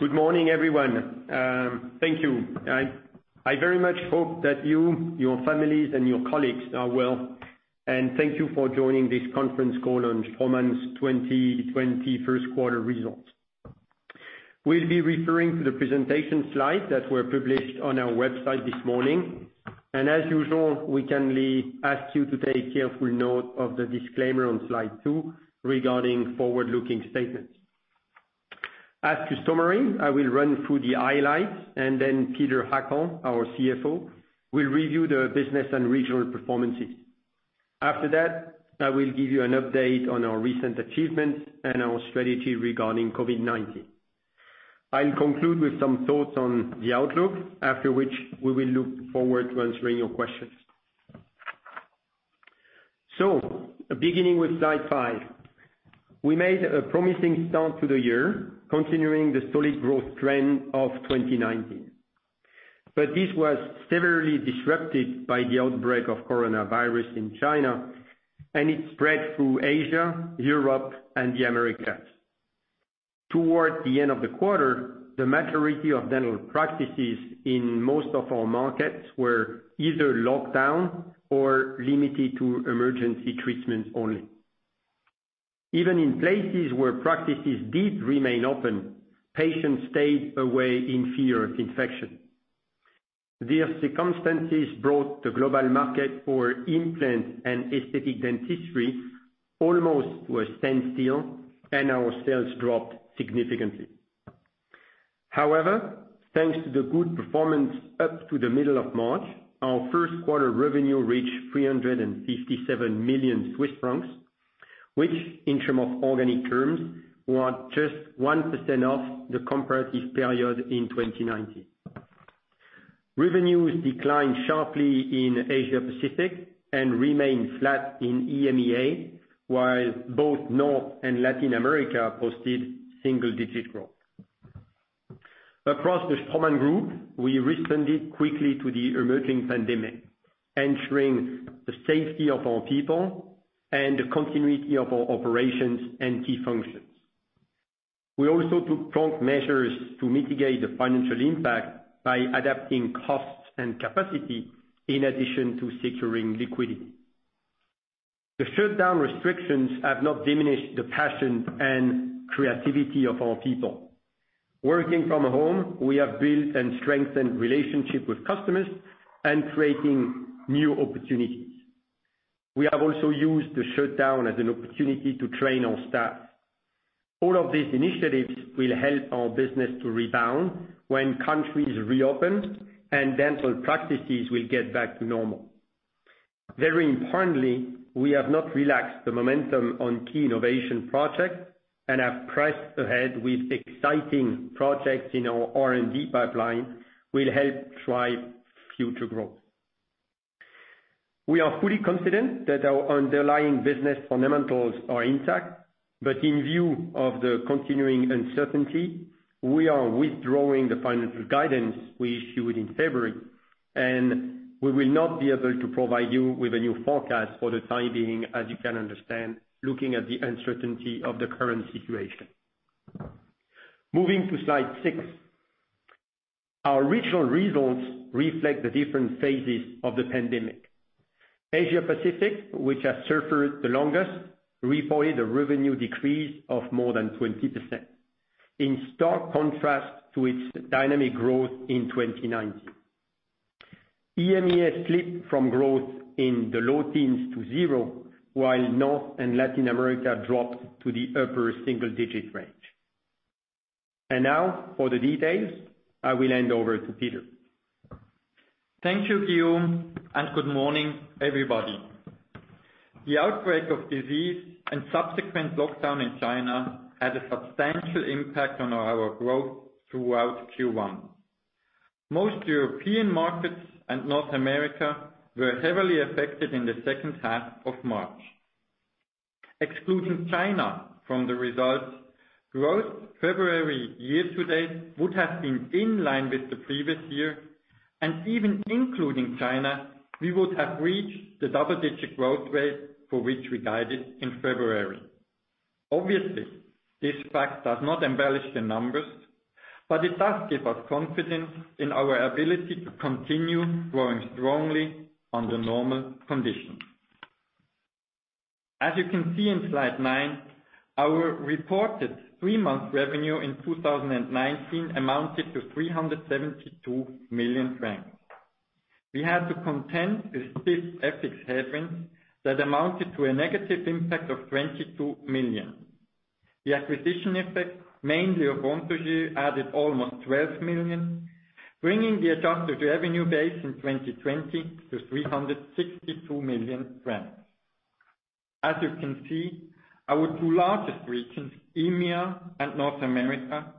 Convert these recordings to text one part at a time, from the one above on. Good morning, everyone. Thank you. I very much hope that you, your families, and your colleagues are well, and thank you for joining this conference call on Straumann's 2020 first quarter results. We'll be referring to the presentation slides that were published on our website this morning, and as usual, we kindly ask you to take careful note of the disclaimer on slide two regarding forward-looking statements. As customary, I will run through the highlights and then Peter Hackel, our CFO, will review the business and regional performances. After that, I will give you an update on our recent achievements and our strategy regarding COVID-19. I'll conclude with some thoughts on the outlook, after which we will look forward to answering your questions. Beginning with slide five. We made a promising start to the year, continuing the solid growth trend of 2019. This was severely disrupted by the outbreak of coronavirus in China, and it spread through Asia, Europe, and the Americas. Toward the end of the quarter, the majority of dental practices in most of our markets were either locked down or limited to emergency treatments only. Even in places where practices did remain open, patients stayed away in fear of infection. These circumstances brought the global market for implant and aesthetic dentistry almost to a standstill, and our sales dropped significantly. Thanks to the good performance up to the middle of March, our first quarter revenue reached 357 million Swiss francs, which in term of organic terms, was just 1% off the comparative period in 2019. Revenues declined sharply in Asia Pacific and remained flat in EMEA, while both North and Latin America posted single-digit growth. Across the Straumann Group, we responded quickly to the emerging pandemic, ensuring the safety of our people and the continuity of our operations and key functions. We also took prompt measures to mitigate the financial impact by adapting costs and capacity in addition to securing liquidity. The shutdown restrictions have not diminished the passion and creativity of our people. Working from home, we have built and strengthened relationships with customers and creating new opportunities. We have also used the shutdown as an opportunity to train our staff. All of these initiatives will help our business to rebound when countries reopen and dental practices will get back to normal. Very importantly, we have not relaxed the momentum on key innovation projects and have pressed ahead with exciting projects in our R&D pipeline will help drive future growth. We are fully confident that our underlying business fundamentals are intact, but in view of the continuing uncertainty, we are withdrawing the financial guidance we issued in February, and we will not be able to provide you with a new forecast for the time being, as you can understand, looking at the uncertainty of the current situation. Moving to slide six. Our regional results reflect the different phases of the pandemic. Asia Pacific, which has suffered the longest, reported a revenue decrease of more than 20%, in stark contrast to its dynamic growth in 2019. EMEA slipped from growth in the low teens to zero, while North and Latin America dropped to the upper single-digit range. Now for the details, I will hand over to Peter. Thank you, Guillaume, and good morning, everybody. The outbreak of disease and subsequent lockdown in China had a substantial impact on our growth throughout Q1. Most European markets and North America were heavily affected in the second half of March. Excluding China from the results, growth February year-to-date would have been in line with the previous year, and even including China, we would have reached the double-digit growth rate for which we guided in February. This fact does not embellish the numbers, but it does give us confidence in our ability to continue growing strongly under normal conditions. As you can see on slide nine, our reported three-month revenue in 2019 amounted to 372 million francs. We had to contend with stiff FX headwinds that amounted to a negative impact of 22 million. The acquisition effect, mainly of Anthogyr, added almost 12 million, bringing the adjusted revenue base in 2020 to 362 million francs. As you can see, our two largest regions, EMEA and North America,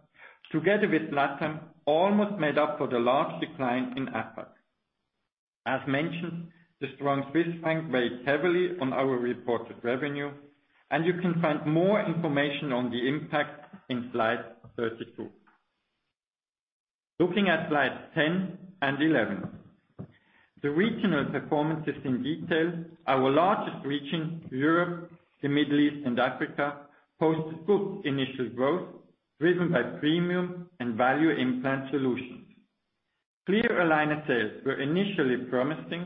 together with LATAM, almost made up for the large decline in APAC. As mentioned, the strong Swiss franc weighed heavily on our reported revenue, and you can find more information on the impact on slide 32. Looking at slides 10 and 11, the regional performances in detail, our largest region, Europe, the Middle East and Africa, posted good initial growth driven by premium and value implant solutions. Clear aligner sales were initially promising,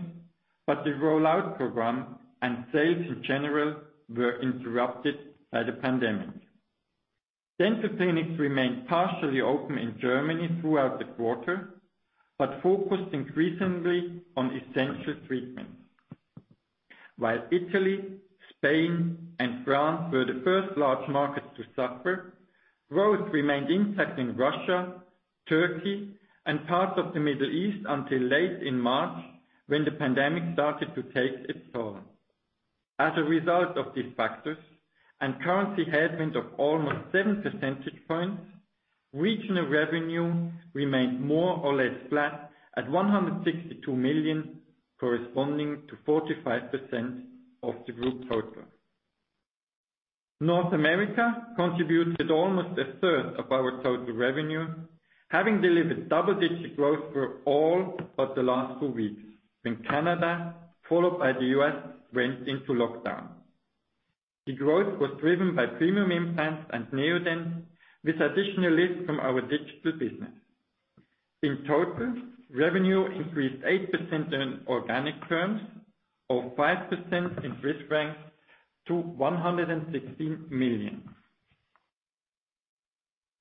but the rollout program and sales in general were interrupted by the pandemic. Dental clinics remained partially open in Germany throughout the quarter, but focused increasingly on essential treatments. While Italy, Spain and France were the first large markets to suffer, growth remained intact in Russia, Turkey, and parts of the Middle East until late in March, when the pandemic started to take its toll. As a result of these factors and currency headwind of almost seven percentage points, regional revenue remained more or less flat at 162 million, corresponding to 45% of the group total. North America contributed almost a third of our total revenue, having delivered double-digit growth for all but the last two weeks, when Canada, followed by the U.S., went into lockdown. The growth was driven by premium implants and Neodent, with additional lift from our digital business. In total, revenue increased 8% in organic terms, or 5% in Swiss franc to CHF 116 million.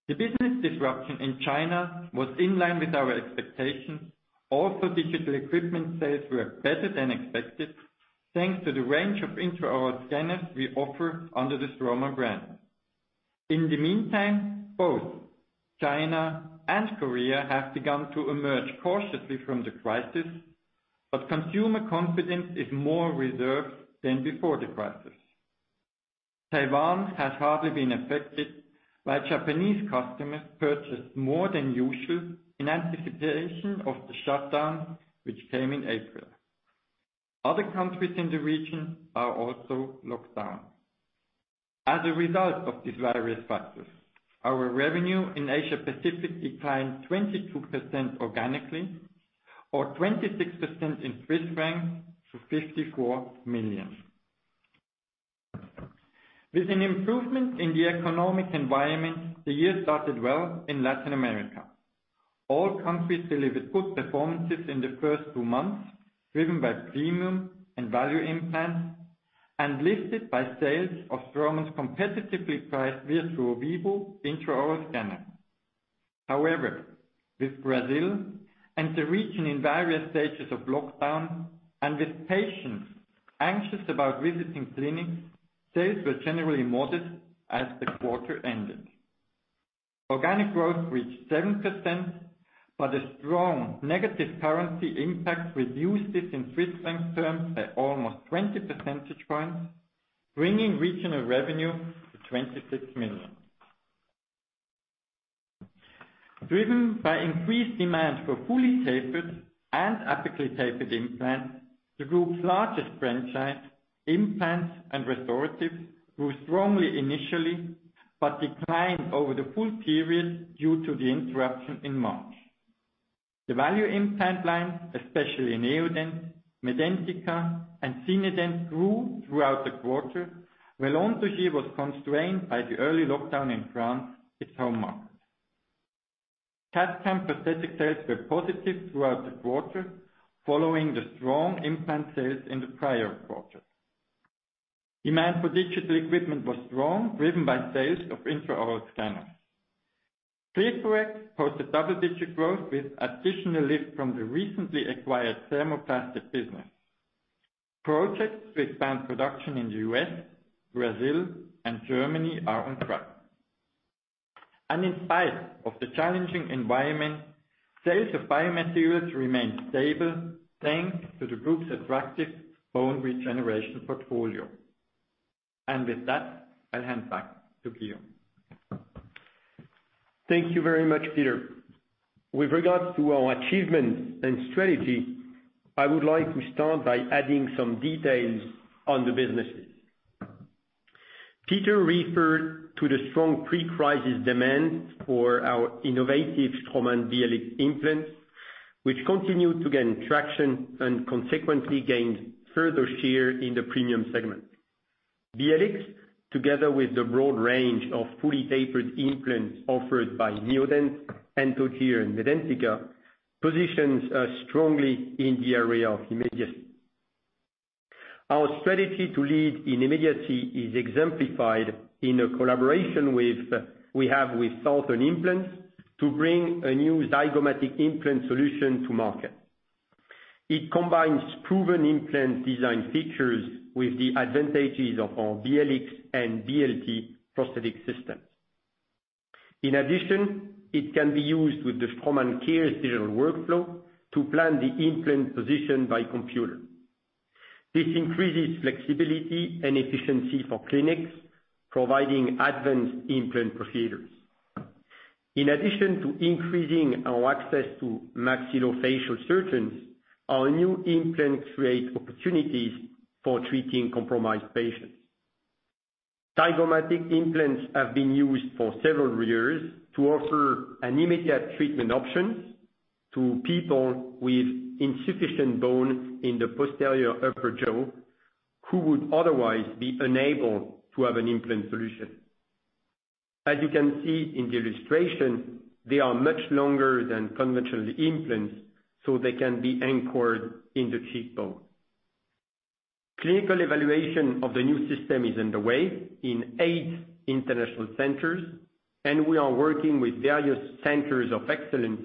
The business disruption in China was in line with our expectations, although digital equipment sales were better than expected, thanks to the range of intraoral scanners we offer under the Straumann brand. In the meantime, both China and Korea have begun to emerge cautiously from the crisis, but consumer confidence is more reserved than before the crisis. Taiwan has hardly been affected, while Japanese customers purchased more than usual in anticipation of the shutdown, which came in April. Other countries in the region are also locked down. As a result of these various factors, our revenue in Asia Pacific declined 22% organically, or 26% in Swiss franc to 54 million. With an improvement in the economic environment, the year started well in Latin America. All countries delivered good performances in the first two months, driven by premium and value implants, and lifted by sales of Straumann's competitively priced Virtuo Vivo intraoral scanner. However, with Brazil and the region in various stages of lockdown and with patients anxious about visiting clinics, sales were generally modest as the quarter ended. Organic growth reached 7%, but a strong negative currency impact reduced it in Swiss franc terms by almost 20 percentage points, bringing regional revenue to 26 million. Driven by increased demand for fully tapered and apically tapered implants, the group's largest franchise, implants and restoratives, grew strongly initially, but declined over the full period due to the interruption in March. The value implant lines, especially Neodent, Medentika and Zinedent, grew throughout the quarter, while Anthogyr was constrained by the early lockdown in France, its home market. CAD/CAM prosthetic sales were positive throughout the quarter following the strong implant sales in the prior quarter. Demand for digital equipment was strong, driven by sales of intraoral scanners. ClearCorrect posted double-digit growth with additional lift from the recently acquired thermoplastic business. Projects to expand production in the U.S., Brazil, and Germany are on track. In spite of the challenging environment, sales of biomaterials remained stable, thanks to the group's attractive bone regeneration portfolio. With that, I'll hand back to Guillaume. Thank you very much, Peter. With regards to our achievements and strategy, I would like to start by adding some details on the businesses. Peter referred to the strong pre-crisis demand for our innovative Straumann BLX implants, which continue to gain traction and consequently gained further share in the premium segment. BLX, together with the broad range of fully tapered implants offered by Neodent, Anthogyr, and Medentika, positions us strongly in the area of immediacy. Our strategy to lead in immediacy is exemplified in a collaboration we have with Southern Implants to bring a new zygomatic implant solution to market. It combines proven implant design features with the advantages of our BLX and BLT prosthetic systems. In addition, it can be used with the Straumann CARES workflow to plan the implant position by computer. This increases flexibility and efficiency for clinics, providing advanced implant procedures. In addition to increasing our access to maxillofacial surgeons, our new implant creates opportunities for treating compromised patients. Zygomatic implants have been used for several years to offer an immediate treatment option to people with insufficient bone in the posterior upper jaw who would otherwise be unable to have an implant solution. As you can see in the illustration, they are much longer than conventional implants, so they can be anchored in the cheekbone. Clinical evaluation of the new system is underway in eight international centers, and we are working with various centers of excellence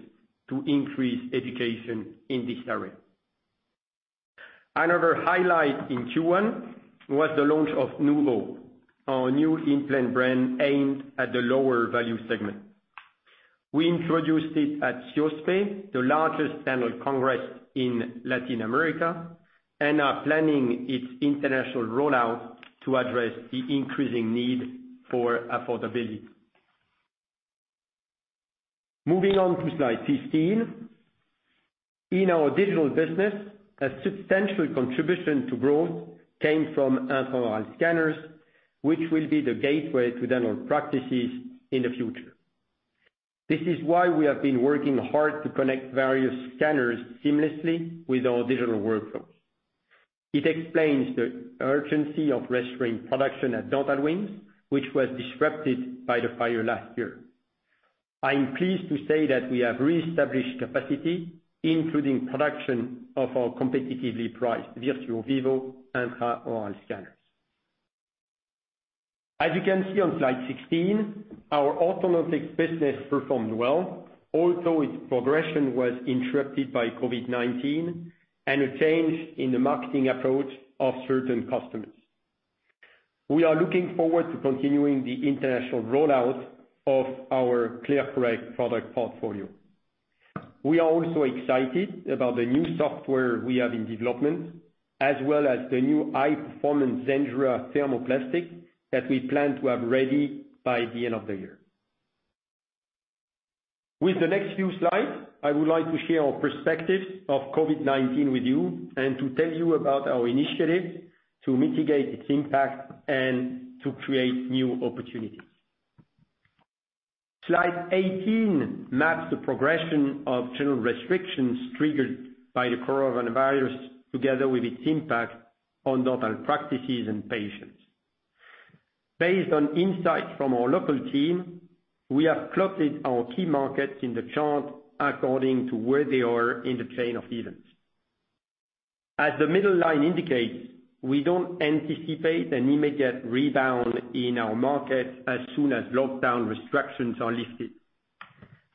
to increase education in this area. Another highlight in Q1 was the launch of NUVO, our new implant brand aimed at the lower value segment. We introduced it at CIOSP, the largest dental congress in Latin America, and are planning its international rollout to address the increasing need for affordability. Moving on to slide 15. In our digital business, a substantial contribution to growth came from intraoral scanners, which will be the gateway to dental practices in the future. This is why we have been working hard to connect various scanners seamlessly with our digital workflows. It explains the urgency of restoring production at Dental Wings, which was disrupted by the fire last year. I am pleased to say that we have reestablished capacity, including production of our competitively priced Virtuo Vivo intraoral scanners. As you can see on slide 16, our orthodontics business performed well, although its progression was interrupted by COVID-19 and a change in the marketing approach of certain customers. We are looking forward to continuing the international rollout of our ClearCorrect product portfolio. We are also excited about the new software we have in development, as well as the new high performance Zendura thermoplastic that we plan to have ready by the end of the year. With the next few slides, I would like to share our perspective of COVID-19 with you and to tell you about our initiatives to mitigate its impact and to create new opportunities. Slide 18 maps the progression of general restrictions triggered by the coronavirus together with its impact on dental practices and patients. Based on insights from our local team, we have plotted our key markets in the chart according to where they are in the chain of events. As the middle line indicates, we don't anticipate an immediate rebound in our market as soon as lockdown restrictions are lifted.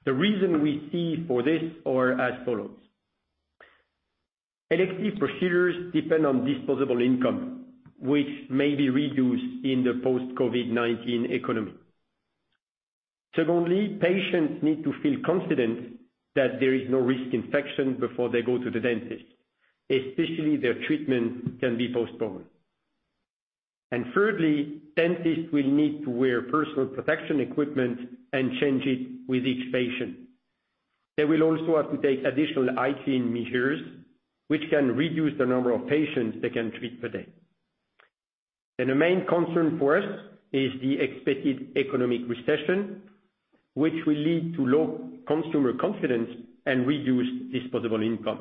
The reason we see for this are as follows. Elective procedures depend on disposable income, which may be reduced in the post-COVID-19 economy. Secondly, patients need to feel confident that there is no risk infection before they go to the dentist, especially if their treatment can be postponed. Thirdly, dentists will need to wear personal protection equipment and change it with each patient. They will also have to take additional hygiene measures, which can reduce the number of patients they can treat per day. The main concern for us is the expected economic recession, which will lead to low consumer confidence and reduced disposable income.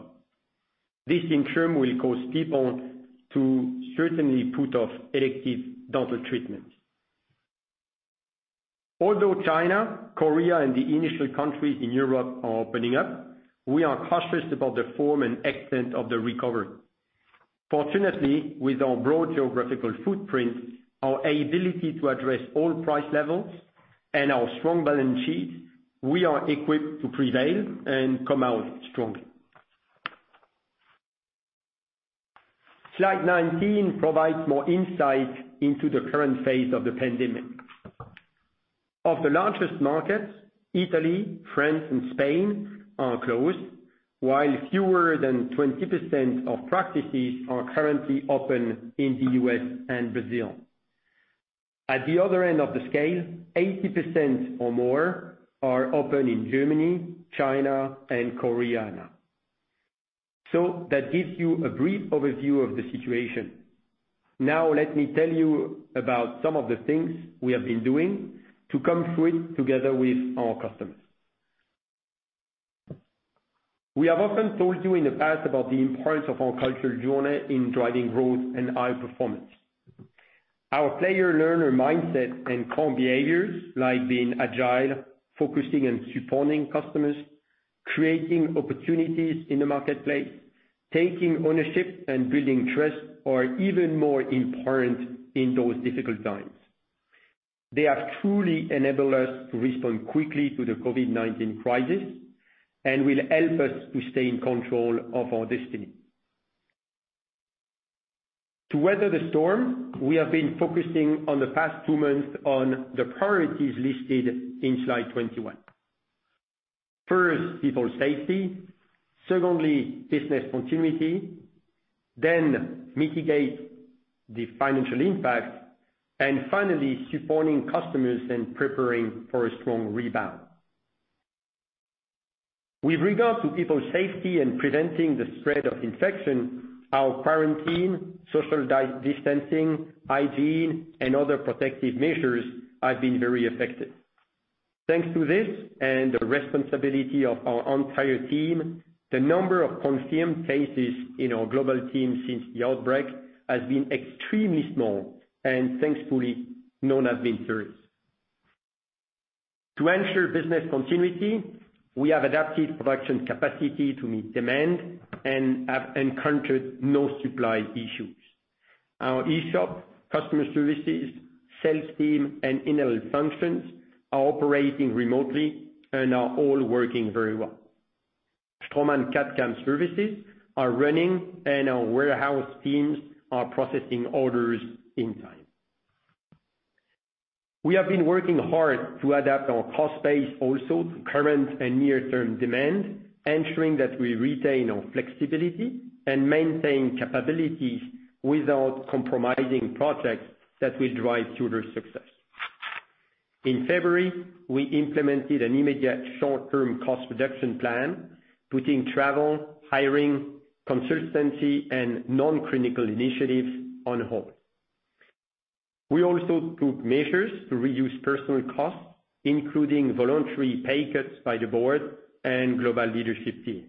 This in turn will cause people to certainly put off elective dental treatments. Although China, Korea, and the initial countries in Europe are opening up, we are cautious about the form and extent of the recovery. Fortunately, with our broad geographical footprint, our ability to address all price levels, and our strong balance sheet, we are equipped to prevail and come out strongly. Slide 19 provides more insight into the current phase of the pandemic. Of the largest markets, Italy, France, and Spain are closed, while fewer than 20% of practices are currently open in the U.S. and Brazil. At the other end of the scale, 80% or more are open in Germany, China, and Korea now. That gives you a brief overview of the situation. Now let me tell you about some of the things we have been doing to come through it together with our customers. We have often told you in the past about the importance of our cultural journey in driving growth and high performance. Our player learner mindset and core behaviors, like being agile, focusing and supporting customers, creating opportunities in the marketplace, taking ownership, and building trust are even more important in those difficult times. They have truly enabled us to respond quickly to the COVID-19 crisis and will help us to stay in control of our destiny. To weather the storm, we have been focusing on the past two months on the priorities listed in slide 21. First, people safety. Secondly, business continuity, then mitigate the financial impact, and finally, supporting customers and preparing for a strong rebound. With regard to people safety and preventing the spread of infection, our quarantine, social distancing, hygiene, and other protective measures have been very effective. Thanks to this and the responsibility of our entire team, the number of confirmed cases in our global team since the outbreak has been extremely small, and thankfully, none have been serious. To ensure business continuity, we have adapted production capacity to meet demand and have encountered no supply issues. Our eShop, customer services, sales team, and internal functions are operating remotely and are all working very well. Straumann CAD/CAM services are running, and our warehouse teams are processing orders in time. We have been working hard to adapt our cost base also to current and near-term demand, ensuring that we retain our flexibility and maintain capabilities without compromising projects that will drive future success. In February, we implemented an immediate short-term cost reduction plan, putting travel, hiring, consultancy, and non-clinical initiatives on hold. We also took measures to reduce personal costs, including voluntary pay cuts by the board and global leadership team.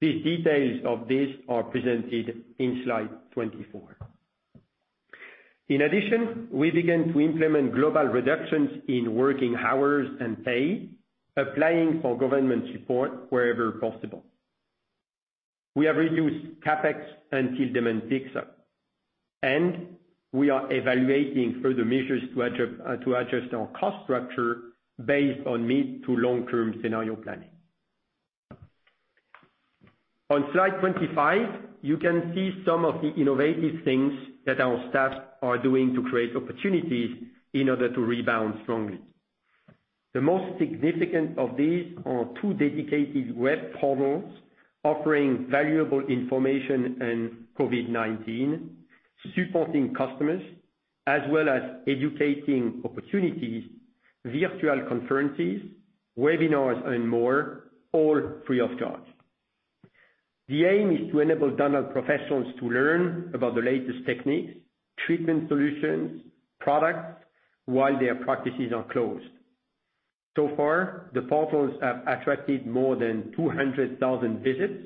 The details of this are presented in slide 24. In addition, we began to implement global reductions in working hours and pay, applying for government support wherever possible. We have reduced CapEx until demand picks up, and we are evaluating further measures to adjust our cost structure based on mid to long-term scenario planning. On slide 25, you can see some of the innovative things that our staff are doing to create opportunities in order to rebound strongly. The most significant of these are two dedicated web portals offering valuable information on COVID-19, supporting customers, as well as educating opportunities, virtual conferences, webinars, and more, all free of charge. The aim is to enable dental professionals to learn about the latest techniques, treatment solutions, products while their practices are closed. Far, the portals have attracted more than 200,000 visits.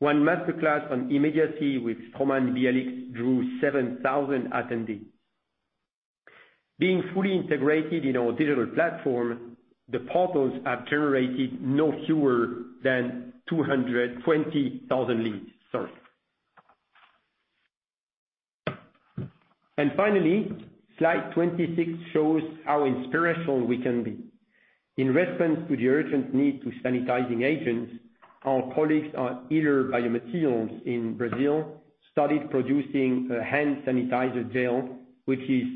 One master class on immediacy with Straumann BLX drew 7,000 attendees. Being fully integrated in our digital platform, the portals have generated no fewer than 220,000 leads. Sorry. Finally, slide 26 shows how inspirational we can be. In response to the urgent need to sanitizing agents, our colleagues at Yller Biomateriais in Brazil started producing a hand sanitizer gel, which is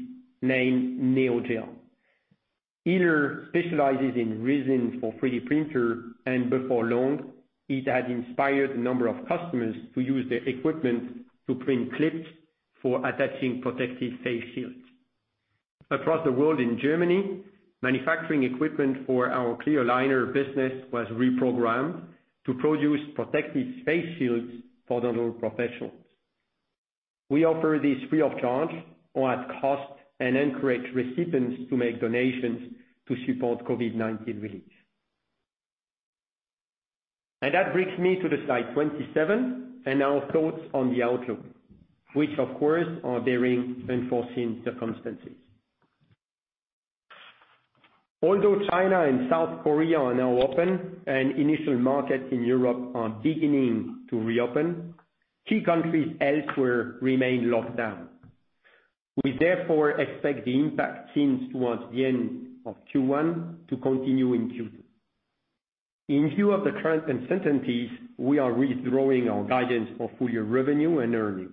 named Neogel. Yller specializes in resin for 3D printer, before long, it had inspired a number of customers to use their equipment to print clips for attaching protective face shields. Across the world in Germany, manufacturing equipment for our clear aligner business was reprogrammed to produce protective face shields for dental professionals. We offer this free of charge or at cost and encourage recipients to make donations to support COVID-19 relief. That brings me to slide 27 and our thoughts on the outlook, which, of course, are bearing unforeseen circumstances. Although China and South Korea are now open and initial markets in Europe are beginning to reopen, key countries elsewhere remain locked down. We, therefore, expect the impact seen towards the end of Q1 to continue in Q2. In view of the uncertainties, we are withdrawing our guidance for full-year revenue and earnings.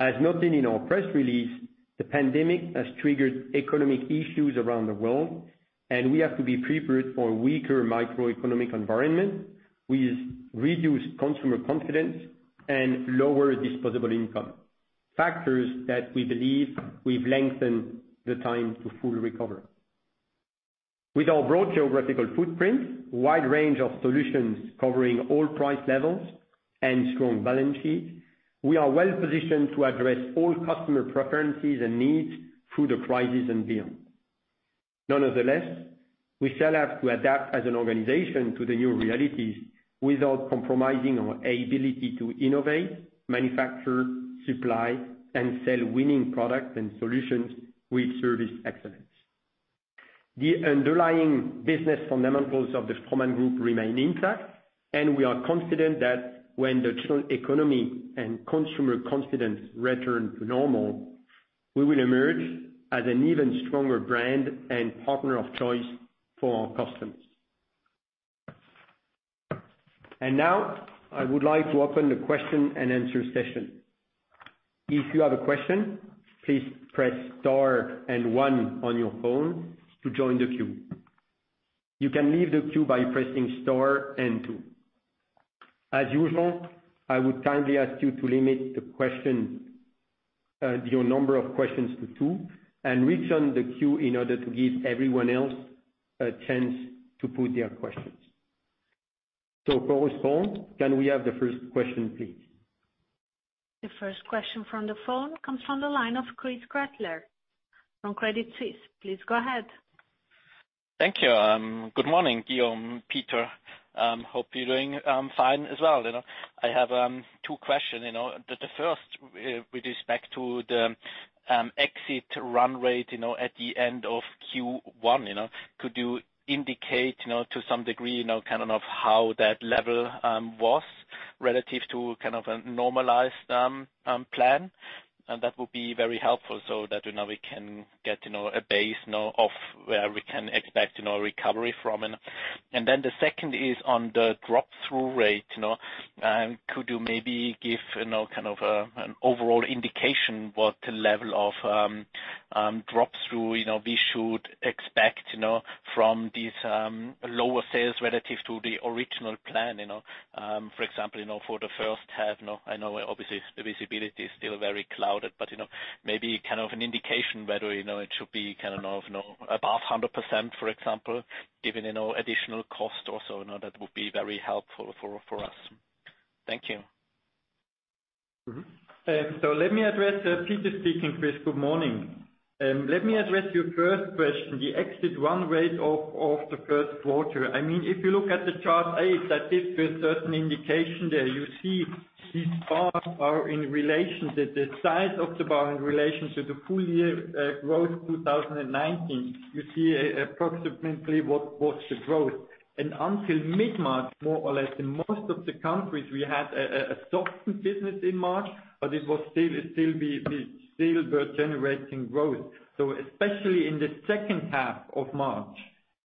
As noted in our press release, the pandemic has triggered economic issues around the world, and we have to be prepared for a weaker macroeconomic environment with reduced consumer confidence and lower disposable income, factors that we believe will lengthen the time to full recovery. With our broad geographical footprint, wide range of solutions covering all price levels, and strong balance sheet, we are well positioned to address all customer preferences and needs through the crisis and beyond. Nonetheless, we shall have to adapt as an organization to the new realities without compromising our ability to innovate, manufacture, supply, and sell winning products and solutions with service excellence. The underlying business fundamentals of the Straumann Group remain intact, and we are confident that when the global economy and consumer confidence return to normal, we will emerge as an even stronger brand and partner of choice for our customers. Now, I would like to open the question-and-answer session. If you have a question, please press star and one on your phone to join the queue. You can leave the queue by pressing star and two. As usual, I would kindly ask you to limit your number of questions to two and return the queue in order to give everyone else a chance to put their questions. For response, can we have the first question, please? The first question from the phone comes from the line of Chris Gretler from Credit Suisse. Please go ahead. Thank you. Good morning, Guillaume, Peter. Hope you're doing fine as well. I have two questions. First, with respect to the exit run rate at the end of Q1. Could you indicate to some degree, kind of how that level was relative to a normalized plan? That would be very helpful so that we can get a base now of where we can expect recovery from. Second is on the drop-through rate. Could you maybe give an overall indication what the level of drop-through we should expect from these lower sales relative to the original plan? For example, for the first half, I know obviously the visibility is still very clouded, but maybe an indication whether it should be above 100%, for example, given additional cost or so. That would be very helpful for us. Thank you. Peter speaking, Chris. Good morning. Let me address your first question, the exit run rate of the first quarter. If you look at the Chart A, that gives you a certain indication there. You see these bars are in relation to the size of the bar in relation to the full year growth 2019. You see approximately what was the growth. Until mid-March, more or less, in most of the countries, we had a softer business in March, but we still were generating growth. Especially in the second half of March,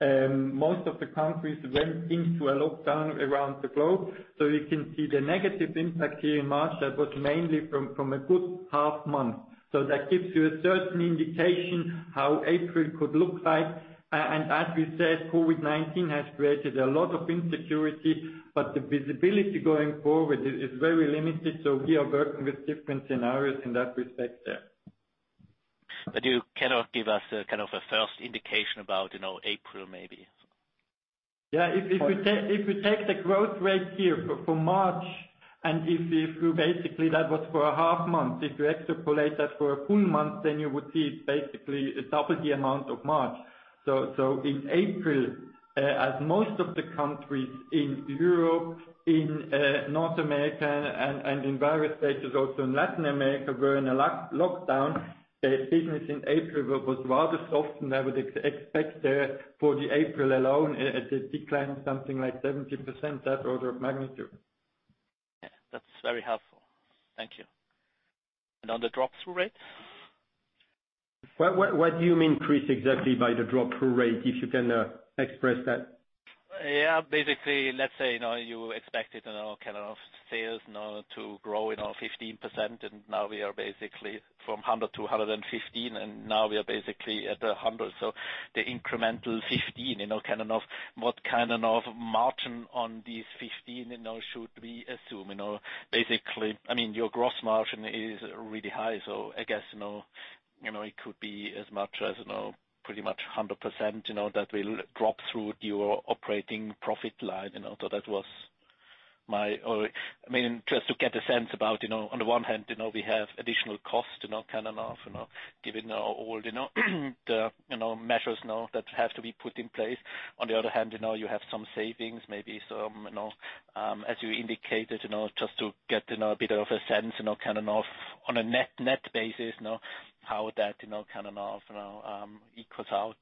most of the countries went into a lockdown around the globe. You can see the negative impact here in March that was mainly from a good half month. That gives you a certain indication how April could look like. As we said, COVID-19 has created a lot of insecurity, but the visibility going forward is very limited. We are working with different scenarios in that respect there. You cannot give us a first indication about April, maybe? Yeah. If you take the growth rate here for March, basically that was for a half month, if you extrapolate that for a full month, you would see it basically double the amount of March. In April, as most of the countries in Europe, in North America, and in various places also in Latin America were in a lockdown, business in April was rather soft and I would expect for the April alone, a decline something like 70%, that order of magnitude. Yeah. That's very helpful. Thank you. On the drop-through rate? What do you mean, Chris, exactly by the drop-through rate? If you can express that. Yeah. Basically, let's say you expected kind of sales now to grow 15%, now we are basically from 100 to 115, now we are basically at 100. The incremental 15, what kind of margin on these 15 should we assume? Basically, your gross margin is really high, I guess it could be as much as pretty much 100% that will drop through your operating profit line. Just to get a sense about on the one hand, we have additional cost kind of giving our all the measures now that have to be put in place. On the other hand, you have some savings, maybe some, as you indicated, just to get a bit of a sense, kind of on a net basis, how that kind of equals out.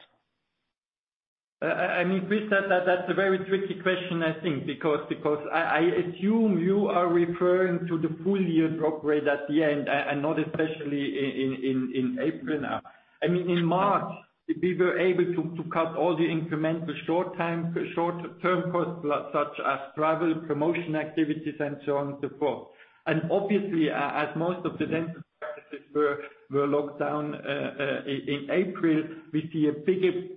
Chris, that's a very tricky question I think because I assume you are referring to the full year drop rate at the end and not especially in April now. In March, we were able to cut all the incremental short-term costs such as travel, promotion activities, and so on and so forth. Obviously, as most of the dental practices were locked down, in April, we see a bigger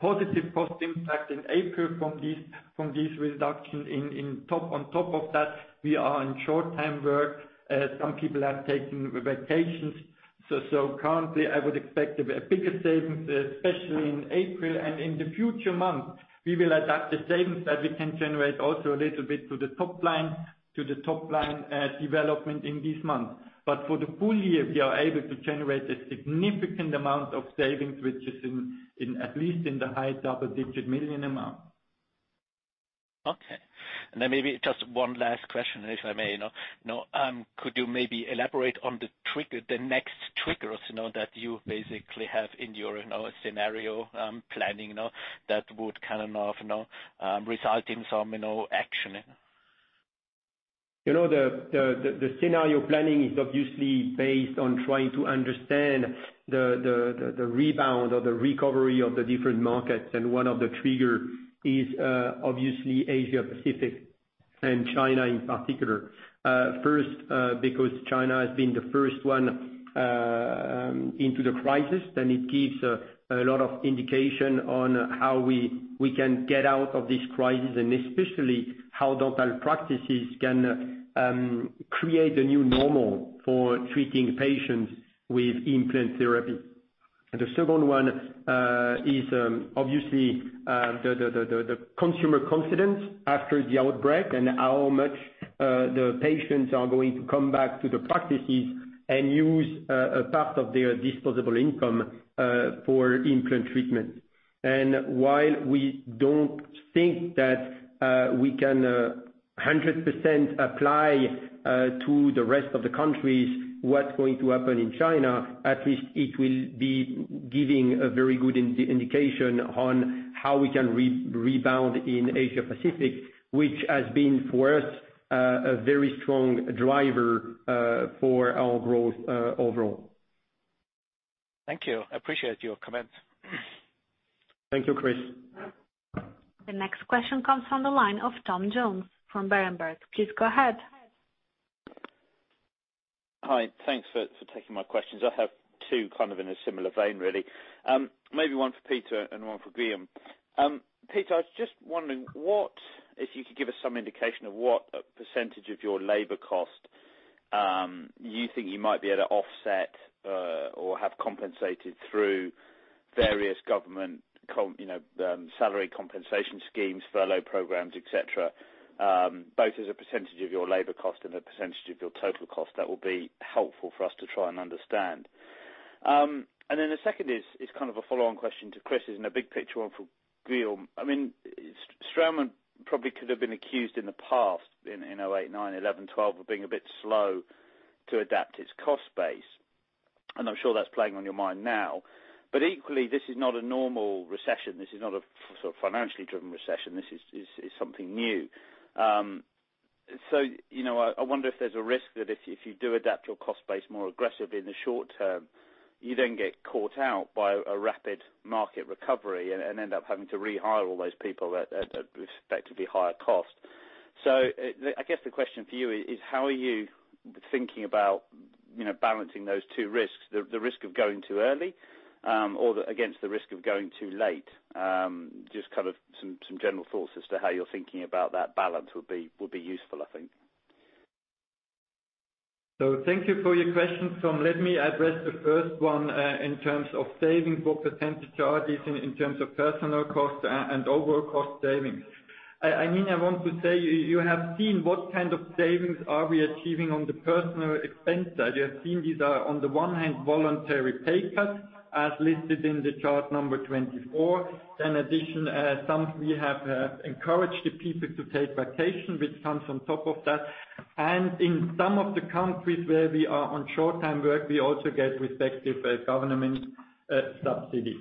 positive cost impact in April from this reduction. On top of that, we are in short-time work. Some people have taken vacations. Currently, I would expect a bigger savings, especially in April and in the future months. We will adapt the savings that we can generate also a little bit to the top line development in this month. For the full year, we are able to generate a significant amount of savings, which is at least in the high double-digit million amount. Okay. Maybe just one last question, if I may. Could you maybe elaborate on the next triggers that you basically have in your scenario planning now that would kind of result in some action? The scenario planning is obviously based on trying to understand the rebound or the recovery of the different markets, and one of the trigger is obviously Asia-Pacific and China in particular. First, because China has been the first one into the crisis, then it gives a lot of indication on how we can get out of this crisis, and especially how dental practices can create a new normal for treating patients with implant therapy. The second one is obviously the consumer confidence after the outbreak and how much the patients are going to come back to the practices and use a part of their disposable income for implant treatment. While we don't think that we can 100% apply to the rest of the countries what's going to happen in China, at least it will be giving a very good indication on how we can rebound in Asia Pacific, which has been, for us, a very strong driver for our growth overall. Thank you. I appreciate your comments. Thank you, Chris. The next question comes from the line of Tom Jones from Berenberg. Please go ahead. Hi. Thanks for taking my questions. I have two kind of in a similar vein, really. Maybe one for Peter and one for Guillaume. Peter, I was just wondering, if you could give us some indication of what % of your labor cost you think you might be able to offset or have compensated through various government salary compensation schemes, furlough programs, et cetera, both as a percent of your labor cost and a percent of your total cost, that will be helpful for us to try and understand. The second is kind of a follow-on question to Chris, and a big picture one for Guillaume. Straumann probably could have been accused in the past, in 2008, 2009, 2011, 2012, of being a bit slow to adapt its cost base. I'm sure that's playing on your mind now. Equally, this is not a normal recession. This is not a sort of financially driven recession. This is something new. I wonder if there's a risk that if you do adapt your cost base more aggressively in the short term, you then get caught out by a rapid market recovery and end up having to rehire all those people at respectively higher cost. I guess the question for you is how are you thinking about balancing those two risks, the risk of going too early against the risk of going too late? Just kind of some general thoughts as to how you're thinking about that balance would be useful, I think. Thank you for your question, Tom. Let me address the first one, in terms of savings, what percentage are these in terms of personal cost and overall cost savings? I want to say, you have seen what kind of savings are we achieving on the personal expense side. You have seen these are, on the one hand, voluntary pay cuts, as listed in the chart number 24. In some of the countries where we are on short-time work, we also get respective government subsidy.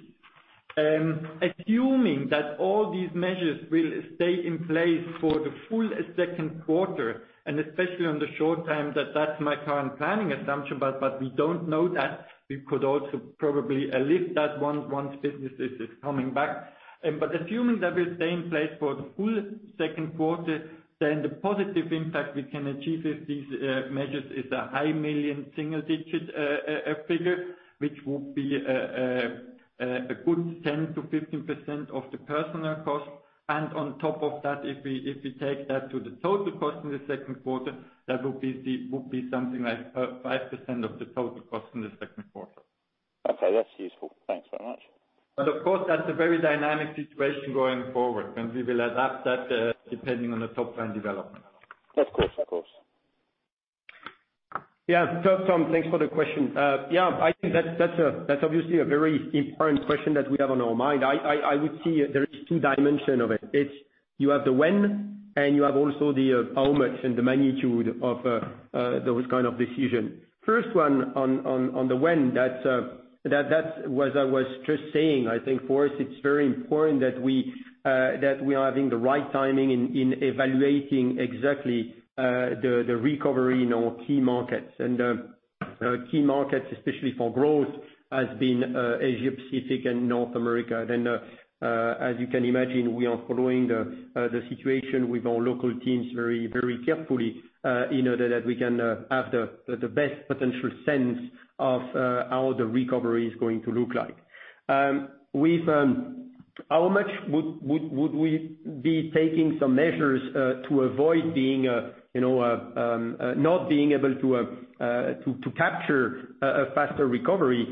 Assuming that all these measures will stay in place for the full second quarter, and especially on the short term, that's my current planning assumption, but we don't know that. We could also probably lift that once business is coming back. Assuming that will stay in place for the full second quarter, then the positive impact we can achieve with these measures is a high million single digit figure, which would be a good 10%-15% of the personal cost. On top of that, if we take that to the total cost in the second quarter, that would be something like 5% of the total cost in the second quarter. Okay, that's useful. Thanks very much. Of course, that's a very dynamic situation going forward, and we will adapt that depending on the top line development. Of course. Tom, thanks for the question. I think that's obviously a very important question that we have on our mind. I would say there is two dimension of it. It's you have the when, and you have also the how much and the magnitude of those kind of decision. First one on the when, that's what I was just saying. I think for us, it's very important that we are having the right timing in evaluating exactly the recovery in our key markets. Key markets, especially for growth, has been Asia Pacific and North America. As you can imagine, we are following the situation with our local teams very carefully in order that we can have the best potential sense of how the recovery is going to look like. With how much would we be taking some measures to avoid not being able to capture a faster recovery,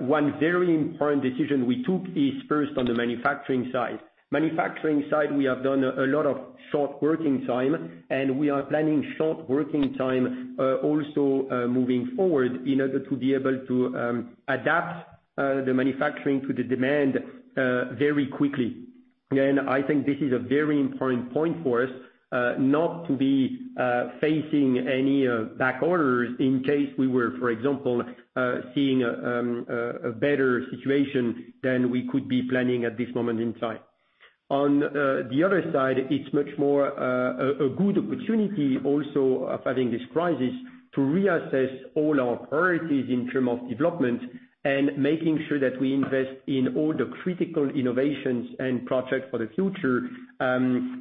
one very important decision we took is first on the manufacturing side. Manufacturing side, we have done a lot of short working time. We are planning short working time also moving forward in order to be able to adapt the manufacturing to the demand very quickly. I think this is a very important point for us, not to be facing any back orders in case we were, for example, seeing a better situation than we could be planning at this moment in time. On the other side, it's much more a good opportunity also having this crisis to reassess all our priorities in term of development and making sure that we invest in all the critical innovations and projects for the future,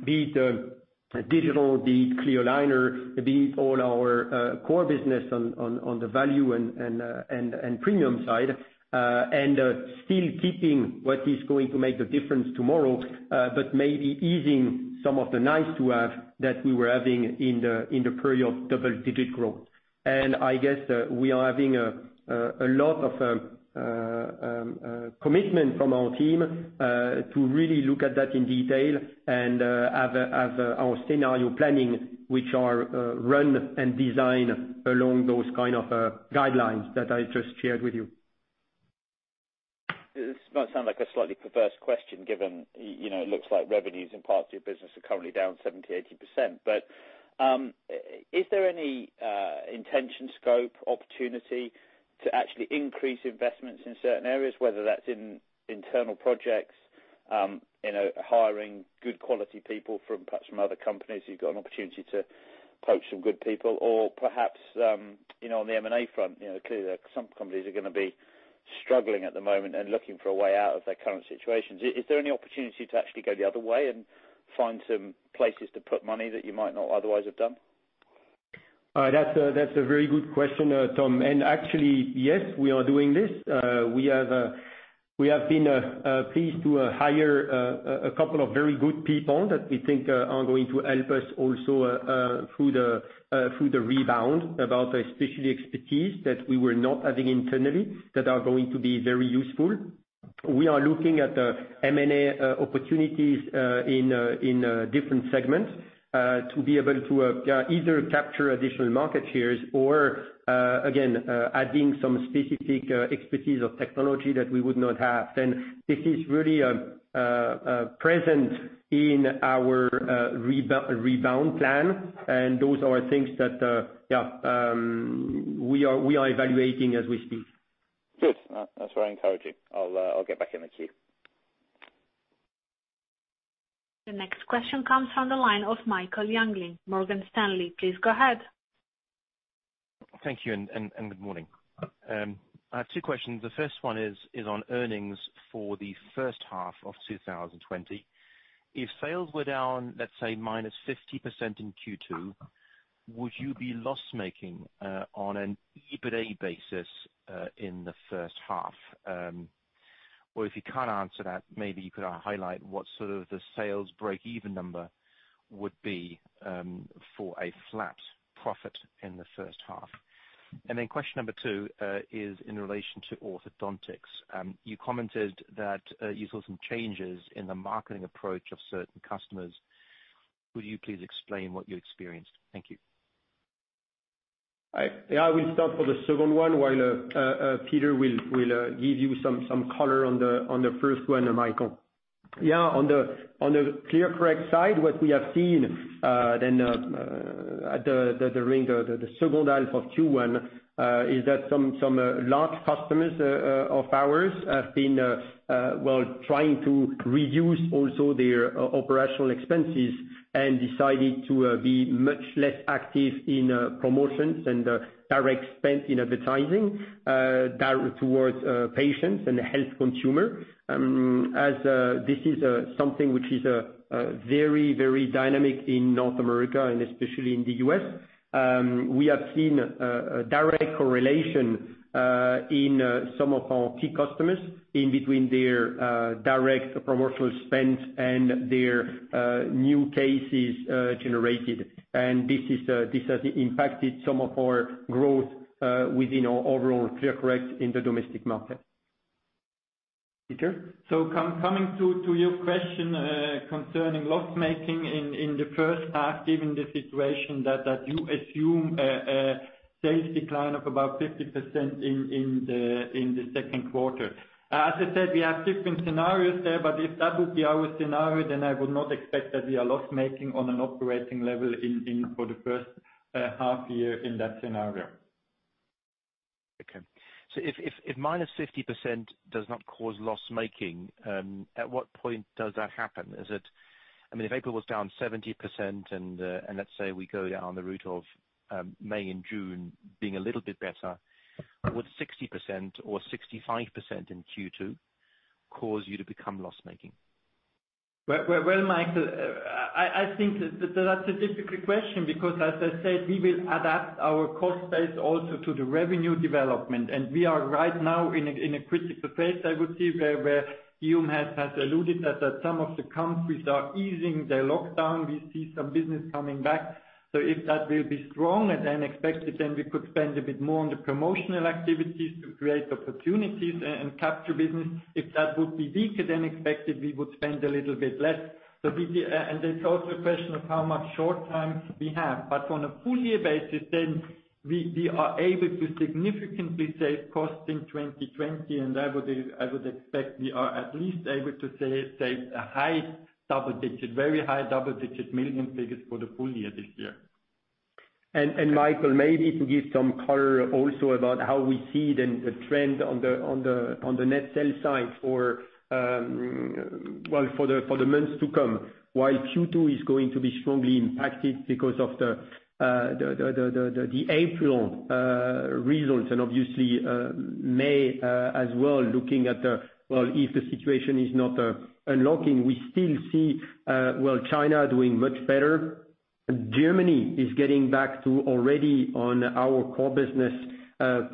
be it digital, be it clear aligner, be it Our core business on the value and premium side, still keeping what is going to make the difference tomorrow, but maybe easing some of the nice to have that we were having in the period of double-digit growth. I guess we are having a lot of commitment from our team to really look at that in detail and have our scenario planning, which are run and designed along those kind of guidelines that I just shared with you. This might sound like a slightly perverse question given it looks like revenues in parts of your business are currently down 70%-80%. Is there any intention, scope, opportunity to actually increase investments in certain areas, whether that's in internal projects, hiring good quality people perhaps from other companies, you've got an opportunity to poach some good people or perhaps, on the M&A front, clearly some companies are going to be struggling at the moment and looking for a way out of their current situations. Is there any opportunity to actually go the other way and find some places to put money that you might not otherwise have done? That's a very good question, Tom. Actually, yes, we are doing this. We have been pleased to hire a couple of very good people that we think are going to help us also through the rebound about the specialty expertise that we were not having internally that are going to be very useful. We are looking at the M&A opportunities in different segments to be able to either capture additional market shares or, again, adding some specific expertise of technology that we would not have. This is really present in our rebound plan. Those are things that, yeah, we are evaluating as we speak. Good. No, that's very encouraging. I'll get back in the queue. The next question comes from the line of Michael Jüngling, Morgan Stanley. Please go ahead. Thank you, and good morning. I have two questions. The first one is on earnings for the first half of 2020. If sales were down, let's say, -50% in Q2, would you be loss-making on an EBITA basis, in the first half? Well, if you can't answer that, maybe you could highlight what sort of the sales breakeven number would be for a flat profit in the first half. Then question number two, is in relation to orthodontics. You commented that you saw some changes in the marketing approach of certain customers. Would you please explain what you experienced? Thank you. I will start for the second one while Peter will give you some color on the first one, Michael. On the ClearCorrect side, what we have seen during the second half of Q1 is that some large customers of ours have been trying to reduce also their operational expenses and decided to be much less active in promotions and direct spend in advertising towards patients and health consumer. As this is something which is very dynamic in North America and especially in the U.S., we have seen a direct correlation in some of our key customers in between their direct promotional spend and their new cases generated. This has impacted some of our growth within our overall ClearCorrect in the domestic market. Peter. Coming to your question concerning loss-making in the first half, given the situation that you assume a sales decline of about 50% in the second quarter. As I said, we have different scenarios there. If that would be our scenario, then I would not expect that we are loss-making on an operating level for the first half year in that scenario. Okay. If -50% does not cause loss-making, at what point does that happen? If April was down 70% and let's say we go down the route of May and June being a little bit better, would 60% or 65% in Q2 cause you to become loss-making? Well, Michael, I think that's a difficult question because as I said, we will adapt our cost base also to the revenue development. We are right now in a critical phase, I would say, where Guillaume has alluded that some of the countries are easing their lockdown. We see some business coming back. If that will be stronger than expected, we could spend a bit more on the promotional activities to create opportunities and capture business. If that would be weaker than expected, we would spend a little bit less. It's also a question of how much short time we have, but on a full year basis, we are able to significantly save cost in 2020, and I would expect we are at least able to save CHF high double digit, very high double digit million figures for the full year this year. Michael, maybe to give some color also about how we see the trend on the net sales side for the months to come. Q2 is going to be strongly impacted because of the April results and obviously, May as well. Looking at if the situation is not unlocking, we still see China doing much better. Germany is getting back to already on our core business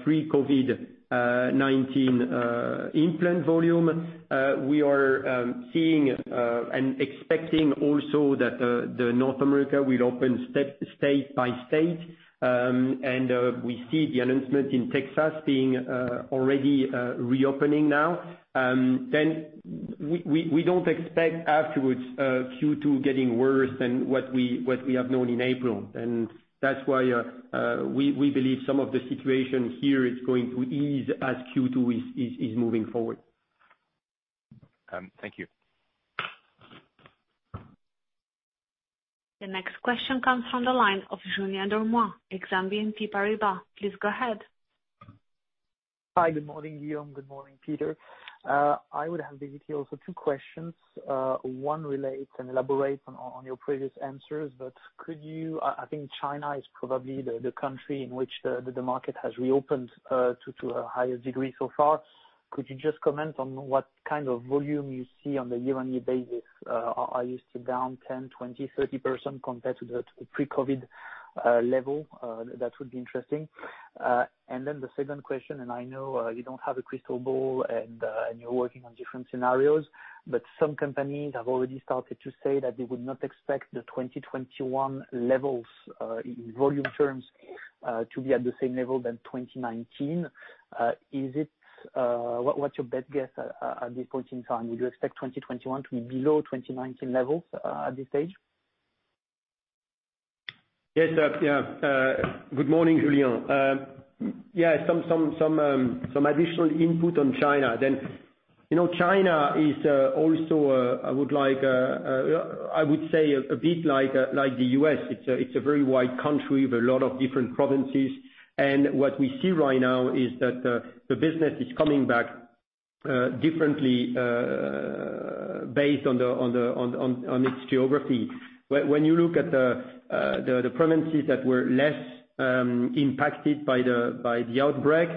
pre-COVID-19 implant volume. We are seeing and expecting also that North America will open state by state, and we see the announcement in Texas being already reopening now. We don't expect afterwards Q2 getting worse than what we have known in April. That's why we believe some of the situation here is going to ease as Q2 is moving forward. Thank you. The next question comes from the line of Julien Dormois, Exane BNP Paribas. Please go ahead. Hi, good morning, Guillaume. Good morning, Peter. I would have the ability also two questions. One relates and elaborates on your previous answers, but could you I think China is probably the country in which the market has reopened to a higher degree so far. Could you just comment on what kind of volume you see on the year-on-year basis? Are you still down 10%, 20%, 30% compared to the pre-COVID-19 level? That would be interesting. Then the second question, and I know you don't have a crystal ball and you're working on different scenarios, but some companies have already started to say that they would not expect the 2021 levels, in volume terms, to be at the same level than 2019. What's your best guess at this point in time? Do you expect 2021 to be below 2019 levels at this stage? Yes. Good morning, Julien. Yeah, some additional input on China then. China is also, I would say, a bit like the U.S. It's a very wide country with a lot of different provinces. What we see right now is that the business is coming back differently based on its geography. When you look at the provinces that were less impacted by the outbreak,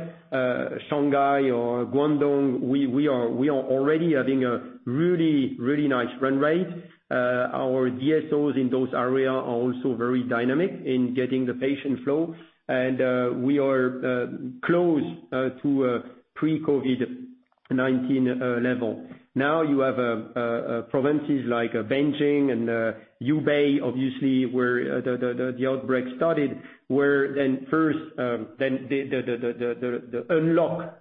Shanghai or Guangdong, we are already having a really nice run rate. Our DSOs in those area are also very dynamic in getting the patient flow. We are close to a pre-COVID-19 level. Now you have provinces like Beijing and Hubei, obviously where the outbreak started, where the unlock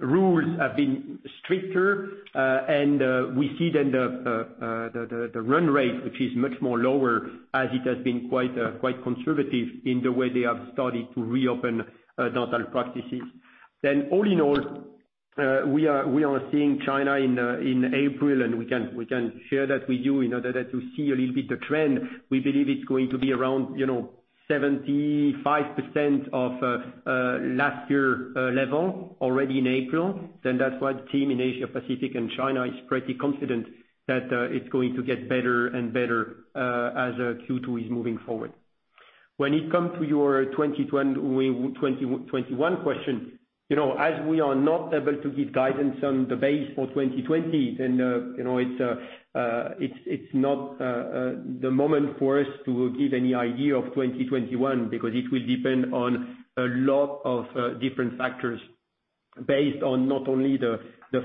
rules have been stricter. We see the run rate, which is much more lower as it has been quite conservative in the way they have started to reopen dental practices. All in all, we are seeing China in April, and we can share that with you in order that you see a little bit the trend. We believe it's going to be around 75% of last year level already in April. That's why the team in Asia Pacific and China is pretty confident that it's going to get better and better as Q2 is moving forward. When it comes to your 2021 question, as we are not able to give guidance on the base for 2020, it's not the moment for us to give any idea of 2021, because it will depend on a lot of different factors. Based on not only the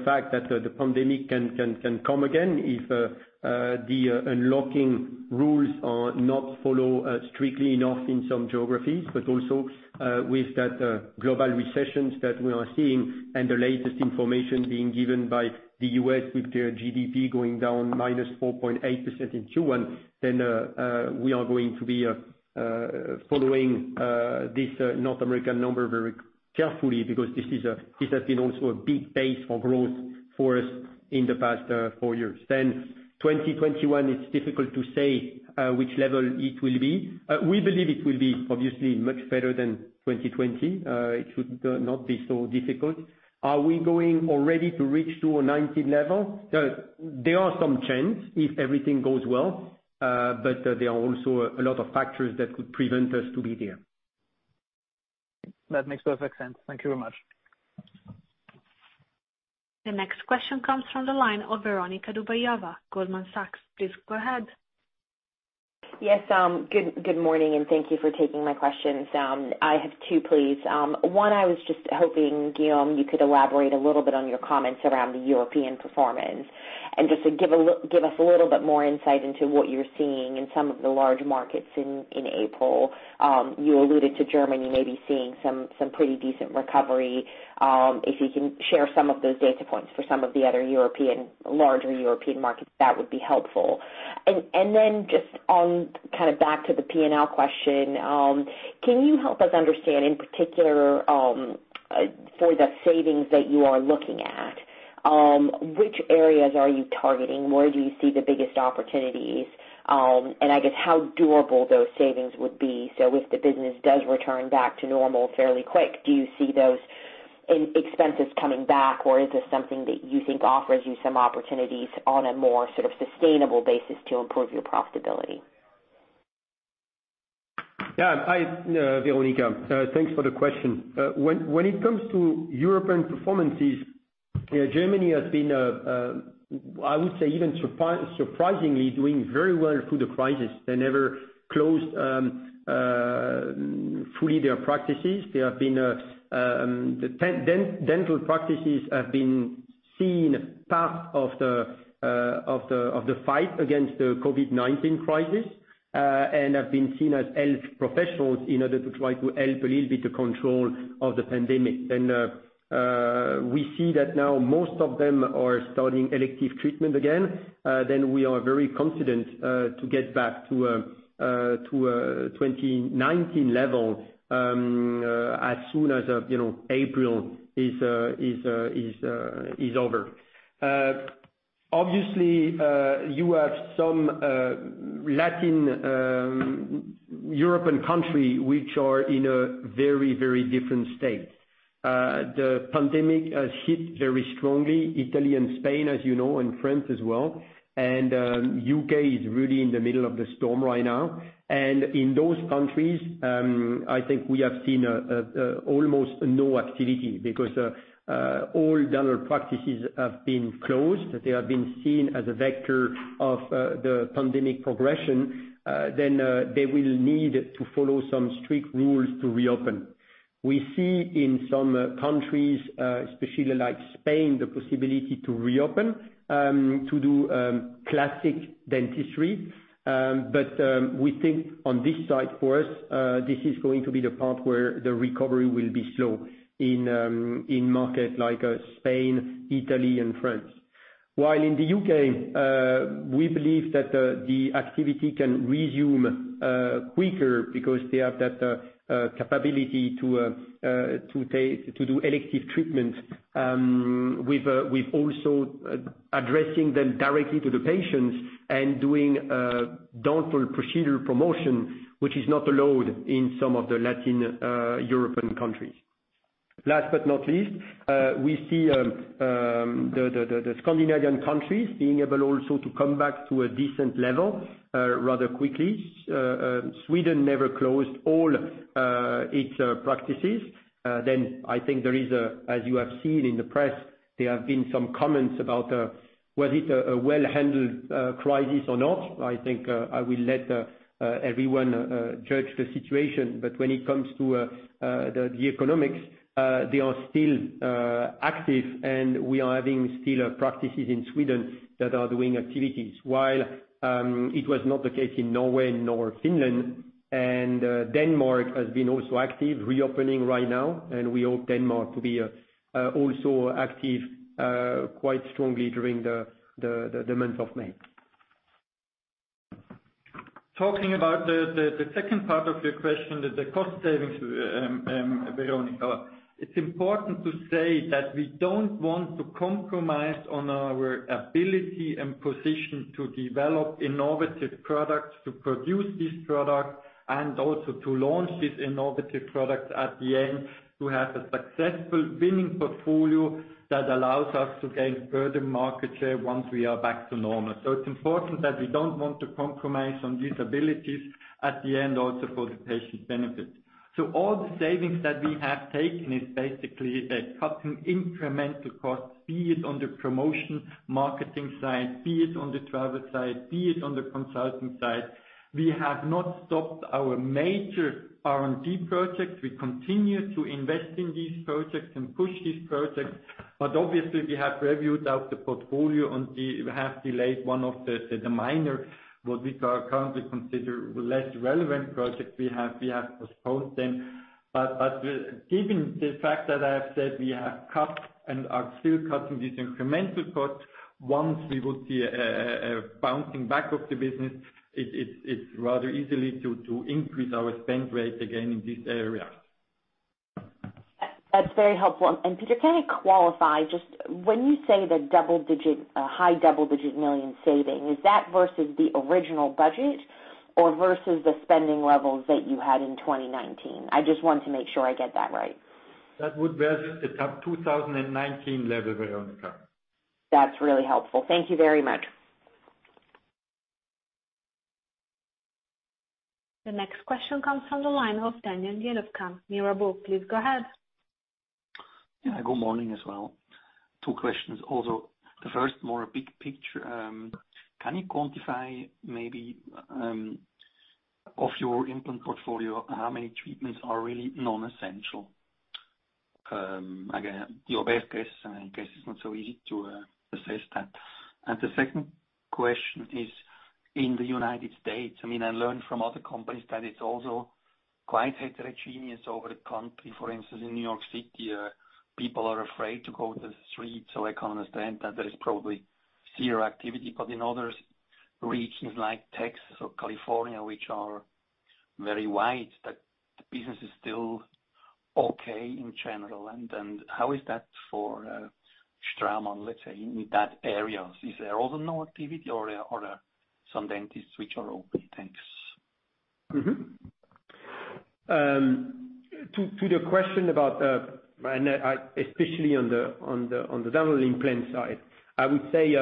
fact that the pandemic can come again if the unlocking rules are not followed strictly enough in some geographies, but also with that global recession that we are seeing and the latest information being given by the U.S. with their GDP going down -4.8% in Q1, we are going to be following this North American number very carefully because this has been also a big base for growth for us in the past four years. 2021, it's difficult to say which level it will be. We believe it will be obviously much better than 2020. It should not be so difficult. Are we going already to reach to a 2019 level? There are some chances, if everything goes well, but there are also a lot of factors that could prevent us to be there. That makes perfect sense. Thank you very much. The next question comes from the line of Veronika Dubajova, Goldman Sachs. Please go ahead. Yes. Good morning, thank you for taking my questions. I have two, please. One, I was just hoping, Guillaume, you could elaborate a little bit on your comments around the European performance. Just to give us a little bit more insight into what you're seeing in some of the large markets in April. You alluded to Germany maybe seeing some pretty decent recovery. If you can share some of those data points for some of the other larger European markets, that would be helpful. Just on kind of back to the P&L question, can you help us understand in particular, for the savings that you are looking at, which areas are you targeting? Where do you see the biggest opportunities? I guess how durable those savings would be. If the business does return back to normal fairly quick, do you see those expenses coming back, or is this something that you think offers you some opportunities on a more sort of sustainable basis to improve your profitability? Hi, Veronika. Thanks for the question. When it comes to European performances, Germany has been, I would say, even surprisingly doing very well through the crisis. They never closed fully their practices. Dental practices have been seen part of the fight against the COVID-19 crisis, and have been seen as health professionals in order to try to help a little bit to control the pandemic. We see that now most of them are starting elective treatment again, we are very confident to get back to a 2019 level as soon as April is over. Obviously, you have some Latin European country which are in a very different state. The pandemic has hit very strongly Italy and Spain, as you know, France as well. U.K. is really in the middle of the storm right now. In those countries, I think we have seen almost no activity because all dental practices have been closed. They have been seen as a vector of the pandemic progression, then they will need to follow some strict rules to reopen. We see in some countries, especially like Spain, the possibility to reopen, to do classic dentistry. We think on this side for us, this is going to be the part where the recovery will be slow in markets like Spain, Italy and France. While in the U.K., we believe that the activity can resume quicker because they have that capability to do elective treatment, with also addressing them directly to the patients and doing dental procedure promotion, which is not allowed in some of the Latin European countries. Last but not least, we see the Scandinavian countries being able also to come back to a decent level rather quickly. Sweden never closed all its practices. I think there is a, as you have seen in the press, there have been some comments about was it a well-handled crisis or not. I think I will let everyone judge the situation, but when it comes to the economics, they are still active and we are having still practices in Sweden that are doing activities. While it was not the case in Norway nor Finland, and Denmark has been also active, reopening right now, and we hope Denmark to be also active quite strongly during the month of May. Talking about the second part of your question, the cost savings, Veronika, it's important to say that we don't want to compromise on our ability and position to develop innovative products, to produce these products, and also to launch these innovative products at the end, to have a successful winning portfolio that allows us to gain further market share once we are back to normal. It's important that we don't want to compromise on these abilities at the end, also for the patient's benefit. All the savings that we have taken is basically the cutting incremental costs, be it on the promotion marketing side, be it on the travel side, be it on the consulting side. We have not stopped our major R&D projects. We continue to invest in these projects and push these projects. Obviously, we have reviewed out the portfolio and we have delayed one of the minor, what we currently consider less relevant projects, we have postponed them. Given the fact that I have said we have cut and are still cutting these incremental costs, once we would see a bouncing back of the business, it's rather easy to increase our spend rate again in this area. That's very helpful. Peter, can you qualify just when you say the high double-digit million saving, is that versus the original budget or versus the spending levels that you had in 2019? I just want to make sure I get that right. That would be versus the top 2019 level, Veronika. That's really helpful. Thank you very much. The next question comes from the line of Daniel Jelovcan, Mirabaud. Good morning, as well. Two questions although the first more big picture, can you quantify maybe of your in pool portfolio how many treatments are really non-essential? Again, you basically question so easy to say that. And the second question in the United states, I mean, I learned from other companies that it's also quite heterogeneous over the country for instance in New York City people are afraid to go to three zero activities but in others reached like Texas or California which are very wide business is still okay in and how is that for Straumann let's say that area is although no activity area or some dentist which are [audiot distortion]. To the question, especially on the dental implant side, I would say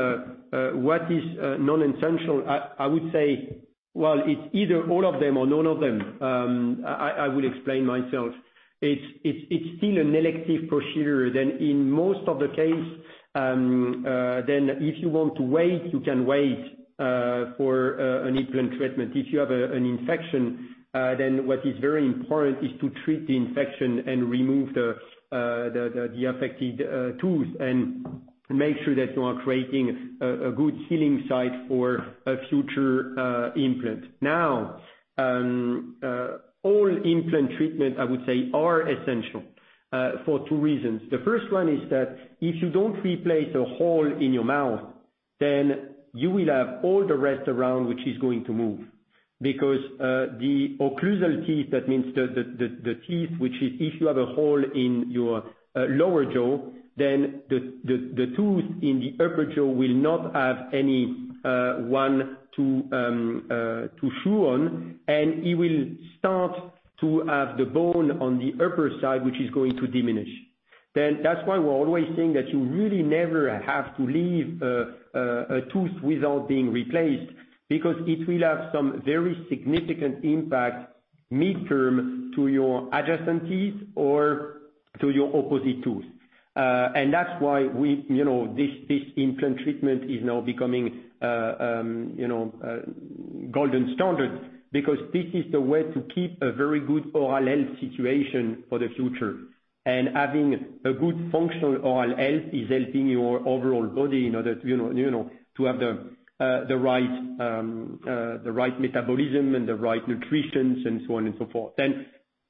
what is non-essential? I would say, well, it's either all of them or none of them. I will explain myself. It's still an elective procedure. In most of the case, then if you want to wait, you can wait for an implant treatment. If you have an infection, then what is very important is to treat the infection and remove the affected tooth and make sure that you are creating a good healing site for a future implant. Now, all implant treatment, I would say, are essential for two reasons. The first one is that if you don't replace a hole in your mouth, then you will have all the rest around which is going to move. The occlusal teeth, that means the teeth, which is if you have a hole in your lower jaw, then the tooth in the upper jaw will not have anyone to chew on, and it will start to have the bone on the upper side, which is going to diminish. That's why we're always saying that you really never have to leave a tooth without being replaced, because it will have some very significant impact midterm to your adjacent teeth or to your opposite tooth. That's why this implant treatment is now becoming gold standard, because this is the way to keep a very good oral health situation for the future. Having a good functional oral health is helping your overall body in order to have the right metabolism and the right nutritions and so on and so forth.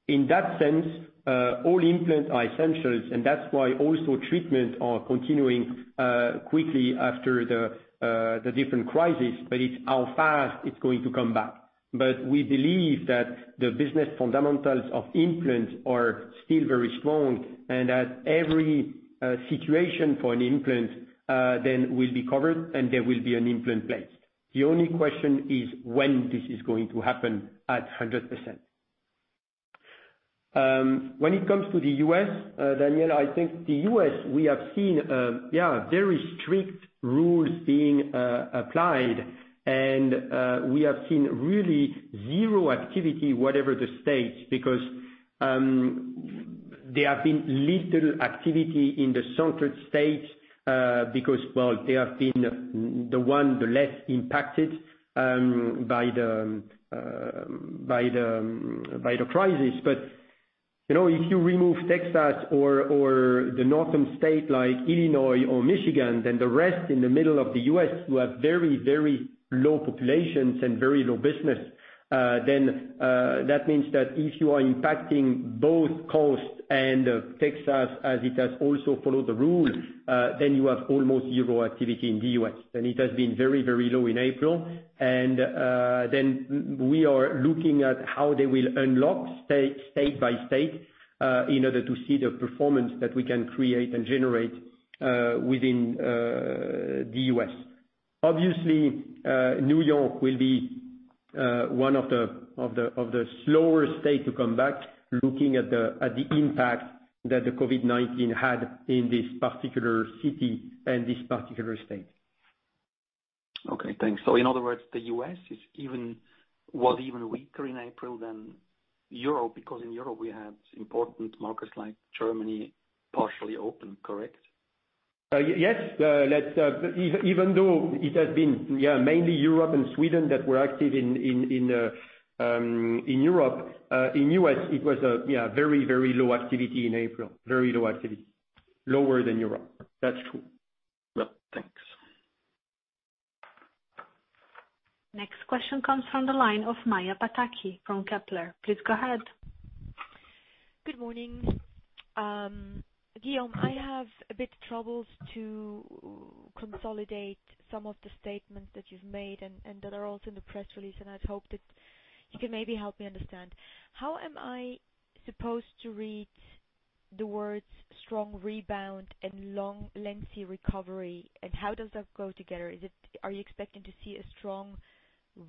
In that sense, all implants are essentials, and that's why also treatment are continuing quickly after the different crisis, but it's how fast it's going to come back. We believe that the business fundamentals of implants are still very strong and that every situation for an implant then will be covered and there will be an implant placed. The only question is when this is going to happen at 100%. When it comes to the U.S., Daniel, I think the U.S., we have seen very strict rules being applied, and we have seen really zero activity, whatever the state, because there have been little activity in the central states, because, well, they have been the one the less impacted by the crisis. If you remove Texas or the northern state like Illinois or Michigan, then the rest in the middle of the U.S. who have very low populations and very low business, then that means that if you are impacting both coasts and Texas as it has also followed the rules, then you have almost zero activity in the U.S. It has been very low in April. We are looking at how they will unlock state by state, in order to see the performance that we can create and generate within the U.S. Obviously, New York will be one of the slower state to come back looking at the impact that the COVID-19 had in this particular city and this particular state. Okay, thanks. In other words, the U.S. was even weaker in April than Europe, because in Europe we had important markets like Germany partially open, correct? Yes. Even though it has been mainly Europe and Sweden that were active in Europe. In U.S., it was very low activity in April. Very low activity. Lower than Europe. That is true. Well, thanks. Next question comes from the line of Maja Pataki from Kepler. Please go ahead. Good morning. Guillaume, I have a bit troubles to consolidate some of the statements that you've made and that are also in the press release, I'd hope that you can maybe help me understand. How am I supposed to read the words strong rebound and lengthy recovery, How does that go together? Are you expecting to see a strong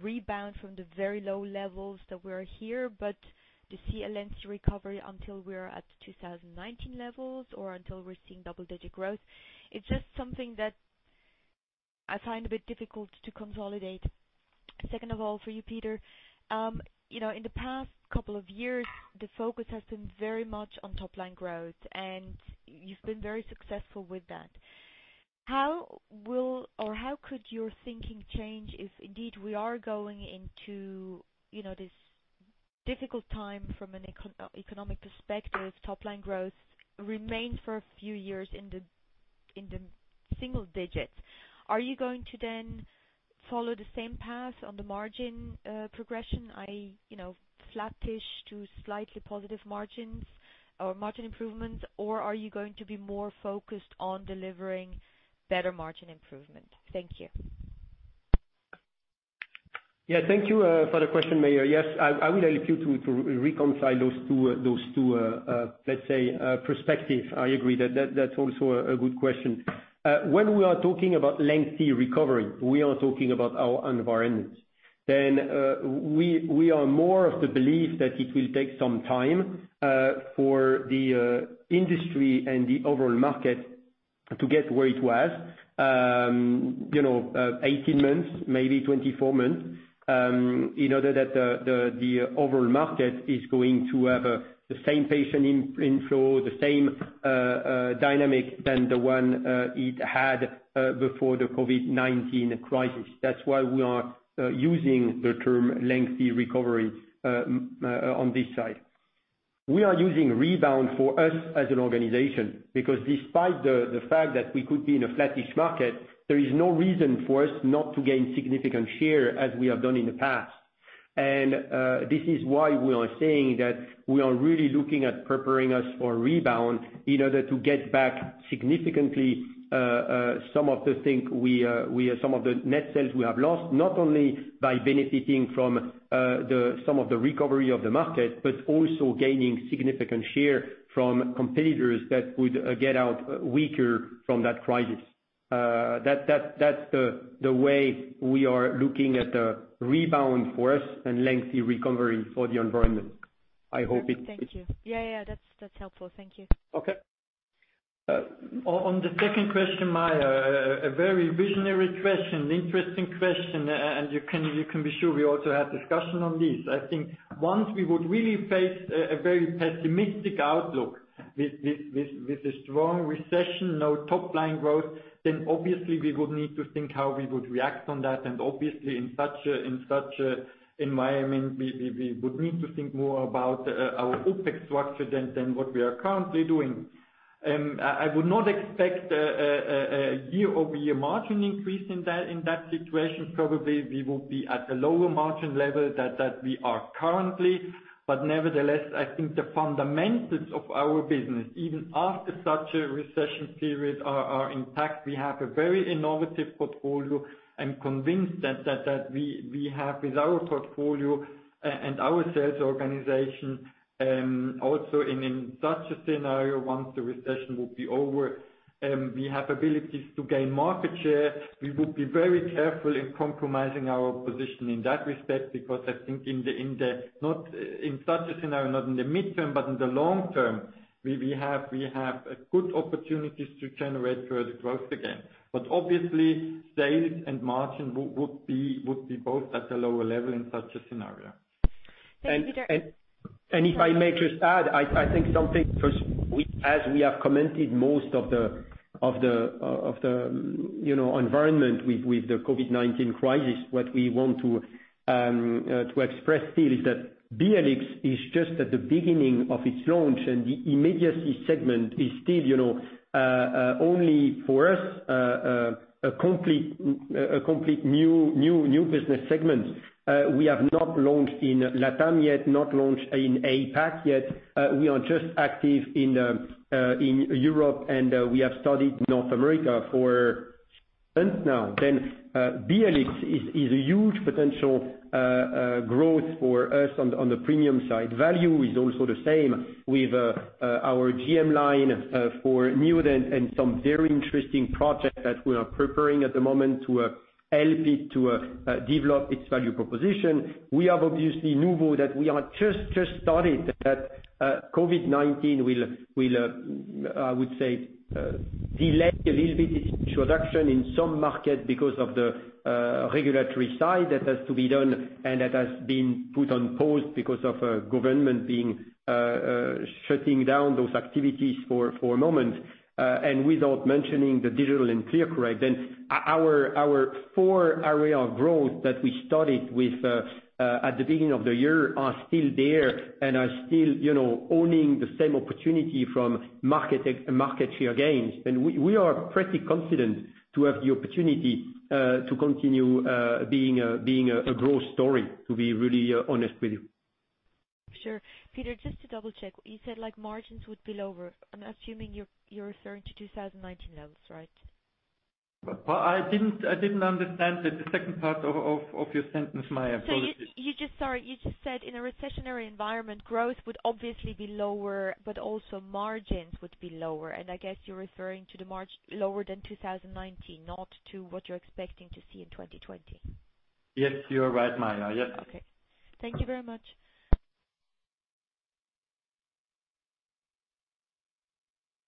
rebound from the very low levels that we're here, To see a lengthy recovery until we're at 2019 levels or until we're seeing double-digit growth? It's just something that I find a bit difficult to consolidate. Second of all, for you, Peter, in the past couple of years, the focus has been very much on top-line growth, You've been very successful with that. How could your thinking change if indeed we are going into this difficult time from an economic perspective, top-line growth remains for a few years in the single digits. Are you going to then follow the same path on the margin progression, flattish to slightly positive margins or margin improvements, or are you going to be more focused on delivering better margin improvement? Thank you. Thank you for the question, Maja. Yes, I will help you to reconcile those two, let's say, perspective. I agree that that's also a good question. When we are talking about lengthy recovery, we are talking about our environment. We are more of the belief that it will take some time for the industry and the overall market to get where it was, 18 months, maybe 24 months, in order that the overall market is going to have the same patient inflow, the same dynamic than the one it had before the COVID-19 crisis. That's why we are using the term lengthy recovery on this side. We are using rebound for us as an organization, because despite the fact that we could be in a flattish market, there is no reason for us not to gain significant share as we have done in the past. This is why we are saying that we are really looking at preparing us for rebound in order to get back significantly, some of the net sales we have lost, not only by benefiting from some of the recovery of the market, but also gaining significant share from competitors that would get out weaker from that crisis. That's the way we are looking at the rebound for us and lengthy recovery for the environment. Thank you. Yeah. That's helpful. Thank you. Okay. On the second question, Maja, a very visionary question, interesting question. You can be sure we also had discussion on this. I think once we would really face a very pessimistic outlook with a strong recession, no top-line growth, then obviously we would need to think how we would react on that. Obviously in such environment, we would need to think more about our OPEX structure than what we are currently doing. I would not expect a year-over-year margin increase in that situation. Probably we would be at a lower margin level that we are currently. Nevertheless, I think the fundamentals of our business, even after such a recession period, are intact. We have a very innovative portfolio. I'm convinced that we have with our portfolio and our sales organization, also in such a scenario, once the recession will be over, we have abilities to gain market share. We would be very careful in compromising our position in that respect, because I think in such a scenario, not in the midterm but in the long term, we have good opportunities to generate further growth again. Obviously sales and margin would be both at a lower level in such a scenario. Thank you, Peter. If I may just add, I think something, first, as we have commented most of the environment with the COVID-19 crisis, what we want to express still is that BLX is just at the beginning of its launch, and the immediacy segment is still, only for us, a complete new business segment. We have not launched in LATAM yet, not launched in APAC yet. We are just active in Europe, and we have started North America for months now. BLX is a huge potential growth for us on the premium side. Value is also the same with our GM line for new and some very interesting projects that we are preparing at the moment to help it to develop its value proposition. We have, obviously, NUVO that we are just started, that COVID-19 will, I would say, delay a little bit its introduction in some markets because of the regulatory side that has to be done, and that has been put on pause because of government shutting down those activities for a moment. Without mentioning the digital and ClearCorrect, then our four area of growth that we started with at the beginning of the year are still there and are still owning the same opportunity from market share gains. We are pretty confident to have the opportunity to continue being a growth story, to be really honest with you. Sure. Peter, just to double-check, you said margins would be lower. I'm assuming you're referring to 2019 levels, right? I didn't understand the second part of your sentence, Maja, I'm sorry. Sorry. You just said in a recessionary environment, growth would obviously be lower, but also margins would be lower. I guess you're referring to the much lower than 2019, not to what you're expecting to see in 2020. Yes, you are right, Maja. Yes. Okay. Thank you very much.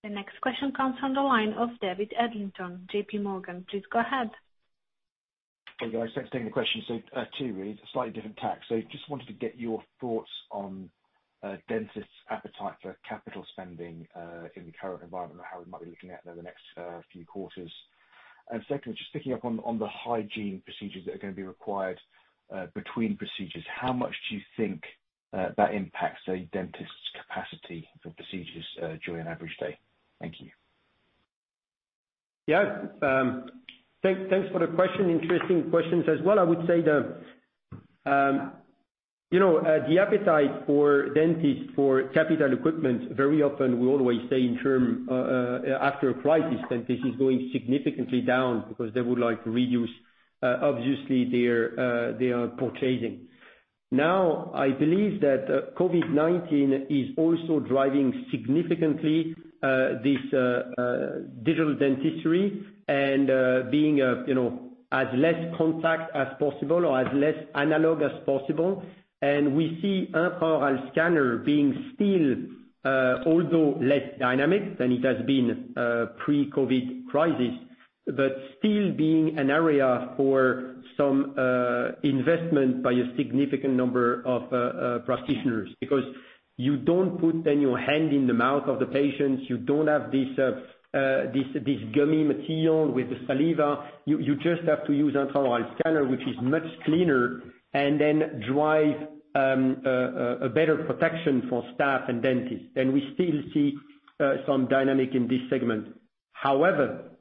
The next question comes from the line of David Adlington, JPMorgan. Please go ahead. Hey, guys. Thanks for taking the question. Two really, slightly different tacks. Just wanted to get your thoughts on dentists' appetite for capital spending, in the current environment and how we might be looking at over the next few quarters. Second, just picking up on the hygiene procedures that are going to be required, between procedures, how much do you think that impacts a dentist's capacity for procedures during an average day? Thank you. Yeah. Thanks for the question. Interesting questions as well. I would say the appetite for dentists for capital equipment, very often, we always say in terms, after a crisis, dentist is going significantly down because they would like to reduce. Obviously they are purchasing. Now, I believe that COVID-19 is also driving significantly this digital dentistry and being as less contact as possible or as less analog as possible. We see intraoral scanner being still, although less dynamic than it has been pre-COVID crisis, but still being an area for some investment by a significant number of practitioners. Because you don't put then your hand in the mouth of the patients, you don't have this gummy material with the saliva. You just have to use intraoral scanner, which is much cleaner and then drive a better protection for staff and dentists. We still see some dynamic in this segment.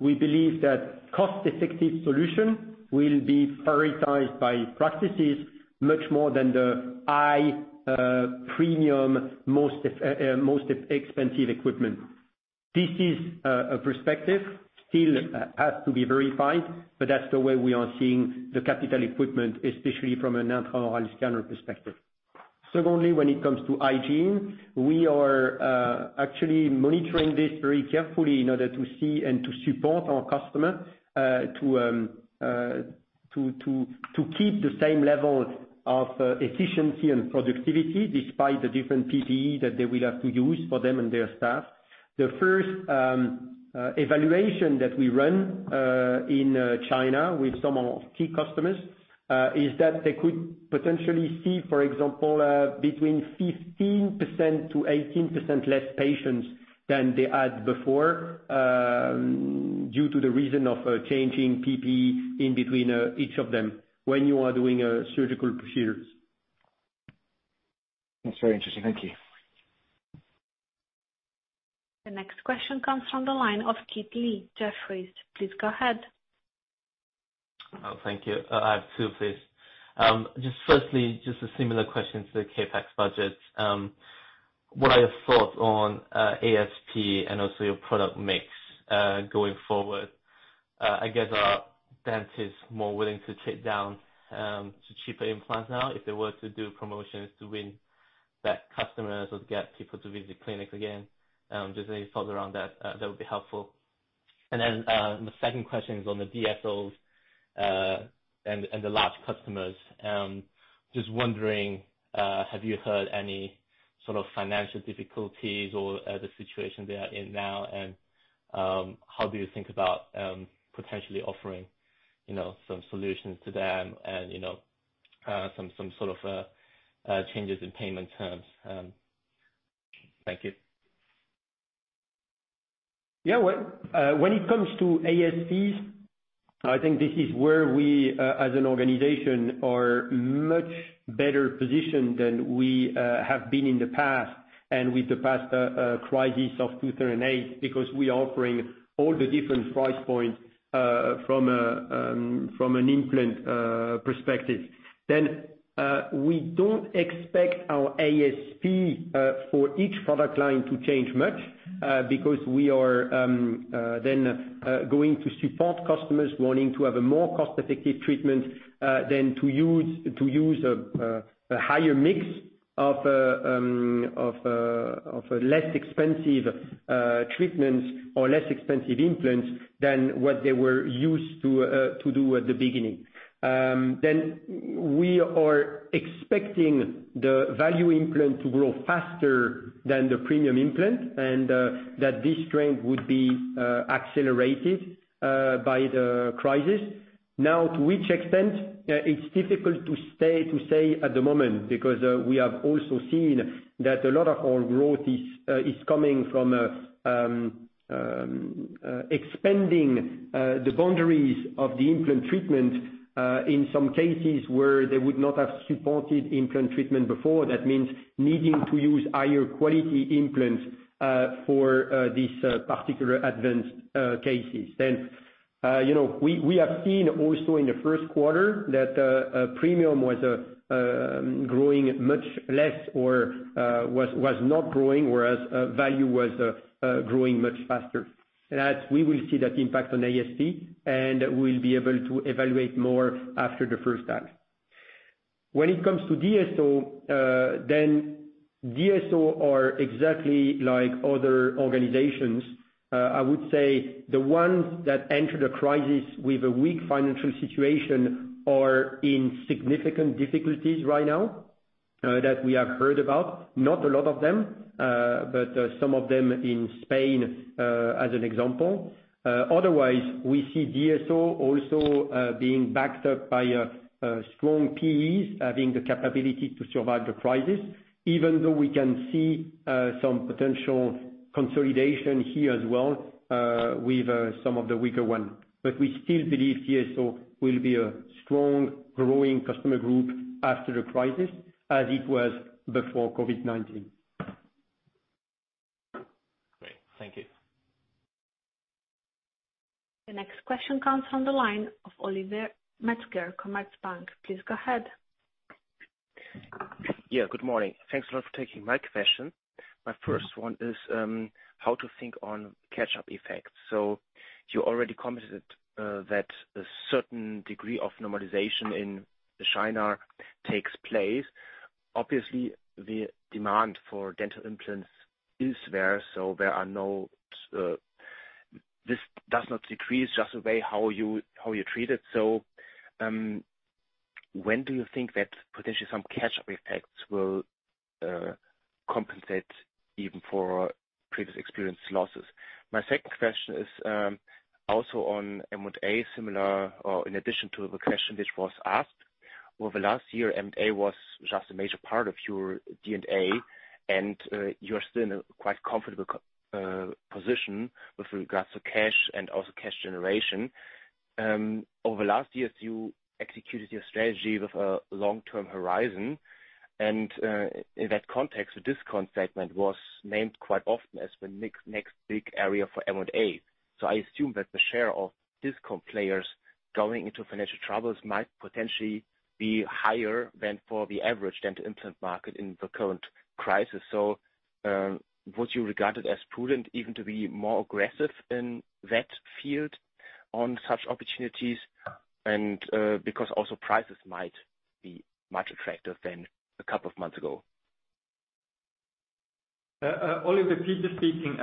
We believe that cost-effective solution will be prioritized by practices much more than the high premium, most expensive equipment. This is a perspective, still has to be verified, but that's the way we are seeing the capital equipment, especially from an intraoral scanner perspective. Secondly, when it comes to hygiene, we are actually monitoring this very carefully in order to see and to support our customer, to keep the same levels of efficiency and productivity despite the different PPE that they will have to use for them and their staff. The first evaluation that we run in China with some of our key customers, is that they could potentially see, for example, between 15%-18% less patients than they had before, due to the reason of changing PPE in between each of them when you are doing surgical procedures. That's very interesting. Thank you. The next question comes from the line of Kit Lee, Jefferies. Please go ahead. Oh, thank you. I have two, please. Firstly, a similar question to the CapEx budget. What are your thoughts on ASP and also your product mix, going forward? Are dentists more willing to trade down to cheaper implants now if they were to do promotions to win back customers or to get people to visit clinics again? Any thoughts around that would be helpful. The second question is on the DSOs, and the large customers. Wondering, have you heard any sort of financial difficulties or the situation they are in now? How do you think about potentially offering some solutions to them and some sort of changes in payment terms? Thank you. Yeah. When it comes to ASPs, I think this is where we, as an organization, are much better positioned than we have been in the past and with the past crisis of 2008, because we are offering all the different price points, from an implant perspective. We don't expect our ASP, for each product line to change much, because we are then going to support customers wanting to have a more cost-effective treatment, than to use a higher mix of less expensive treatments or less expensive implants than what they were used to do at the beginning. We are expecting the value implant to grow faster than the premium implant and that this trend would be accelerated by the crisis. Now, to which extent? It's difficult to say at the moment because, we have also seen that a lot of our growth is coming from expanding the boundaries of the implant treatment, in some cases where they would not have supported implant treatment before. That means needing to use higher quality implants for these particular advanced cases. We have seen also in the first quarter that premium was growing much less or was not growing, whereas value was growing much faster. We will see that impact on ASP, and we'll be able to evaluate more after the first half. When it comes to DSO are exactly like other organizations. I would say the ones that enter the crisis with a weak financial situation are in significant difficulties right now, that we have heard about. Not a lot of them, but some of them in Spain, as an example. Otherwise, we see DSO also being backed up by strong PEs, having the capability to survive the crisis, even though we can see some potential consolidation here as well, with some of the weaker ones. We still believe DSO will be a strong growing customer group after the crisis, as it was before COVID-19. Great. Thank you. The next question comes from the line of Oliver Metzger, Commerzbank. Please go ahead. Yeah. Good morning. Thanks a lot for taking my question. My first one is, how to think on catch-up effects? You already commented that a certain degree of normalization in China takes place. Obviously, the demand for dental implants is there, so this does not decrease, just the way how you treat it. When do you think that potentially some catch-up effects will compensate even for previous experienced losses? My second question is also on M&A, similar or in addition to the question that was asked. Over the last year, M&A was just a major part of your D&A, and you are still in a quite comfortable position with regards to cash and also cash generation. Over the last years, you executed your strategy with a long-term horizon, and in that context, the discount segment was named quite often as the next big area for M&A. I assume that the share of discount players going into financial troubles might potentially be higher than for the average dental implant market in the current crisis. Would you regard it as prudent even to be more aggressive in that field on such opportunities? Because also prices might be much attractive than a couple of months ago. Oliver, Peter speaking.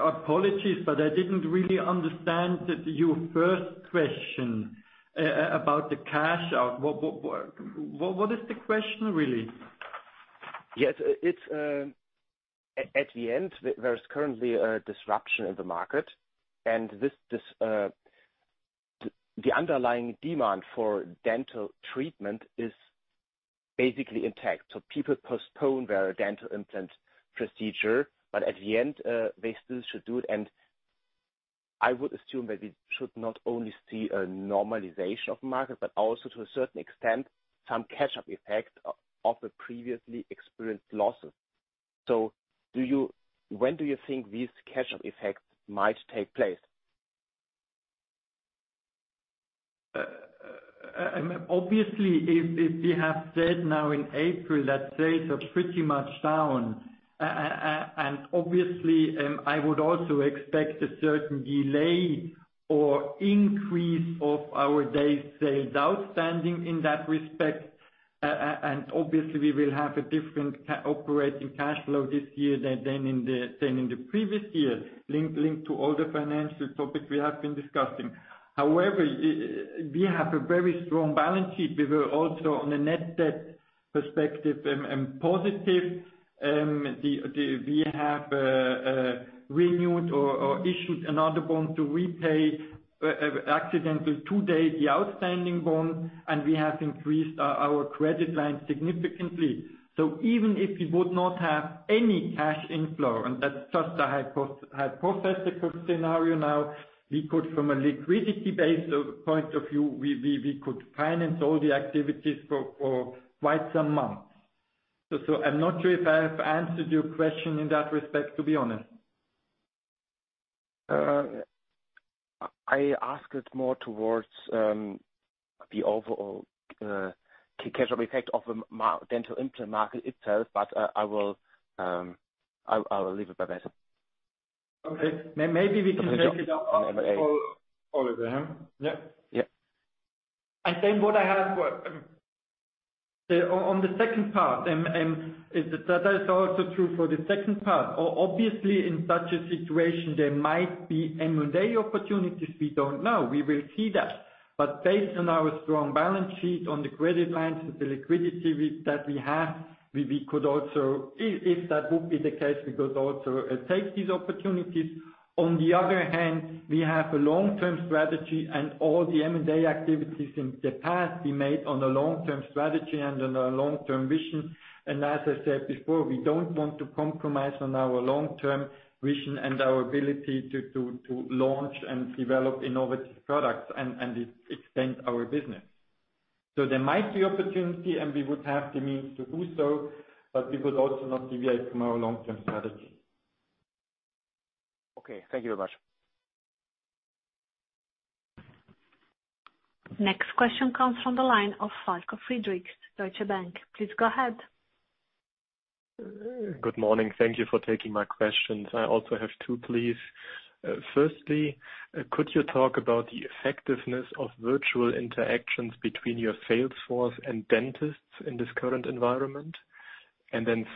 Apologies, I didn't really understand your first question about the cash out. What is the question, really? Yes. At the end, there is currently a disruption in the market, the underlying demand for dental treatment is basically intact. People postpone their dental implant procedure, at the end, they still should do it. I would assume that we should not only see a normalization of market, but also to a certain extent, some catch-up effect of the previously experienced losses. When do you think these catch-up effects might take place? Obviously, if we have said now in April that sales are pretty much down, I would also expect a certain delay or increase of our days sales outstanding in that respect, we will have a different operating cash flow this year than in the previous year, linked to all the financial topics we have been discussing. However, we have a very strong balance sheet. We were also on a net debt perspective, positive. We have renewed or issued another bond to repay exactly two days the outstanding bond. We have increased our credit line significantly. Even if we would not have any cash inflow, and that's just a hypothetical scenario now, we could from a liquidity base point of view, we could finance all the activities for quite some months. I'm not sure if I have answered your question in that respect, to be honest. I asked it more towards the overall catch-up effect of dental implant market itself, but I will leave it by that. Okay. Maybe we can break it up, Oliver, yeah? Yeah. What I have on the second part, and that is also true for the second part. Obviously, in such a situation, there might be M&A opportunities, we don't know. We will see that. Based on our strong balance sheet on the credit lines and the liquidity that we have, if that would be the case, we could also take these opportunities. On the other hand, we have a long-term strategy and all the M&A activities in the past we made on a long-term strategy and on a long-term vision. As I said before, we don't want to compromise on our long-term vision and our ability to launch and develop innovative products and extend our business. There might be opportunity, and we would have the means to do so, but we would also not deviate from our long-term strategy. Okay. Thank you very much. Next question comes from the line of Falko Friedrichs, Deutsche Bank. Please go ahead. Good morning. Thank you for taking my questions. I also have two, please. Firstly, could you talk about the effectiveness of virtual interactions between your sales force and dentists in this current environment?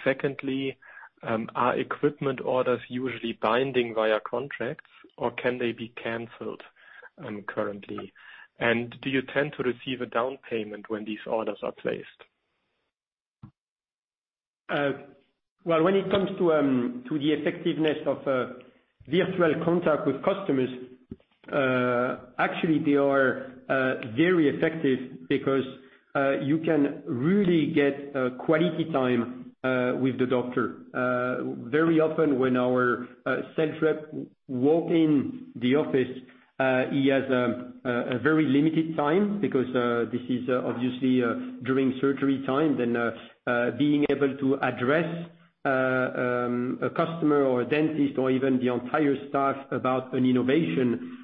Secondly, are equipment orders usually binding via contracts, or can they be canceled currently? Do you tend to receive a down payment when these orders are placed? When it comes to the effectiveness of virtual contact with customers, actually, they are very effective because you can really get quality time with the doctor. Very often when our sales rep walk in the office, he has a very limited time because this is obviously during surgery time. Being able to address a customer or a dentist or even the entire staff about an innovation,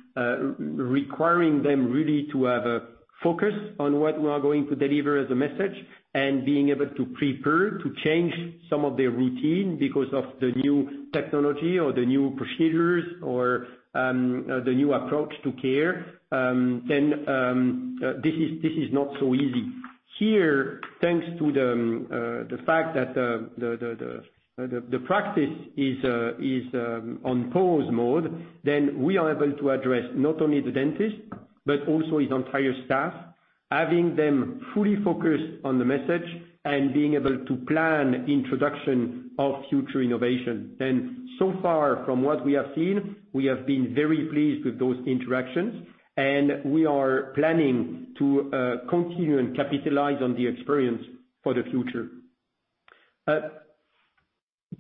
requiring them really to have a focus on what we are going to deliver as a message and being able to prepare to change some of their routine because of the new technology or the new procedures or the new approach to care, then this is not so easy. Here, thanks to the fact that the practice is on pause mode, we are able to address not only the dentist but also his entire staff, having them fully focused on the message and being able to plan the introduction of future innovation. So far, from what we have seen, we have been very pleased with those interactions, and we are planning to continue and capitalize on the experience for the future.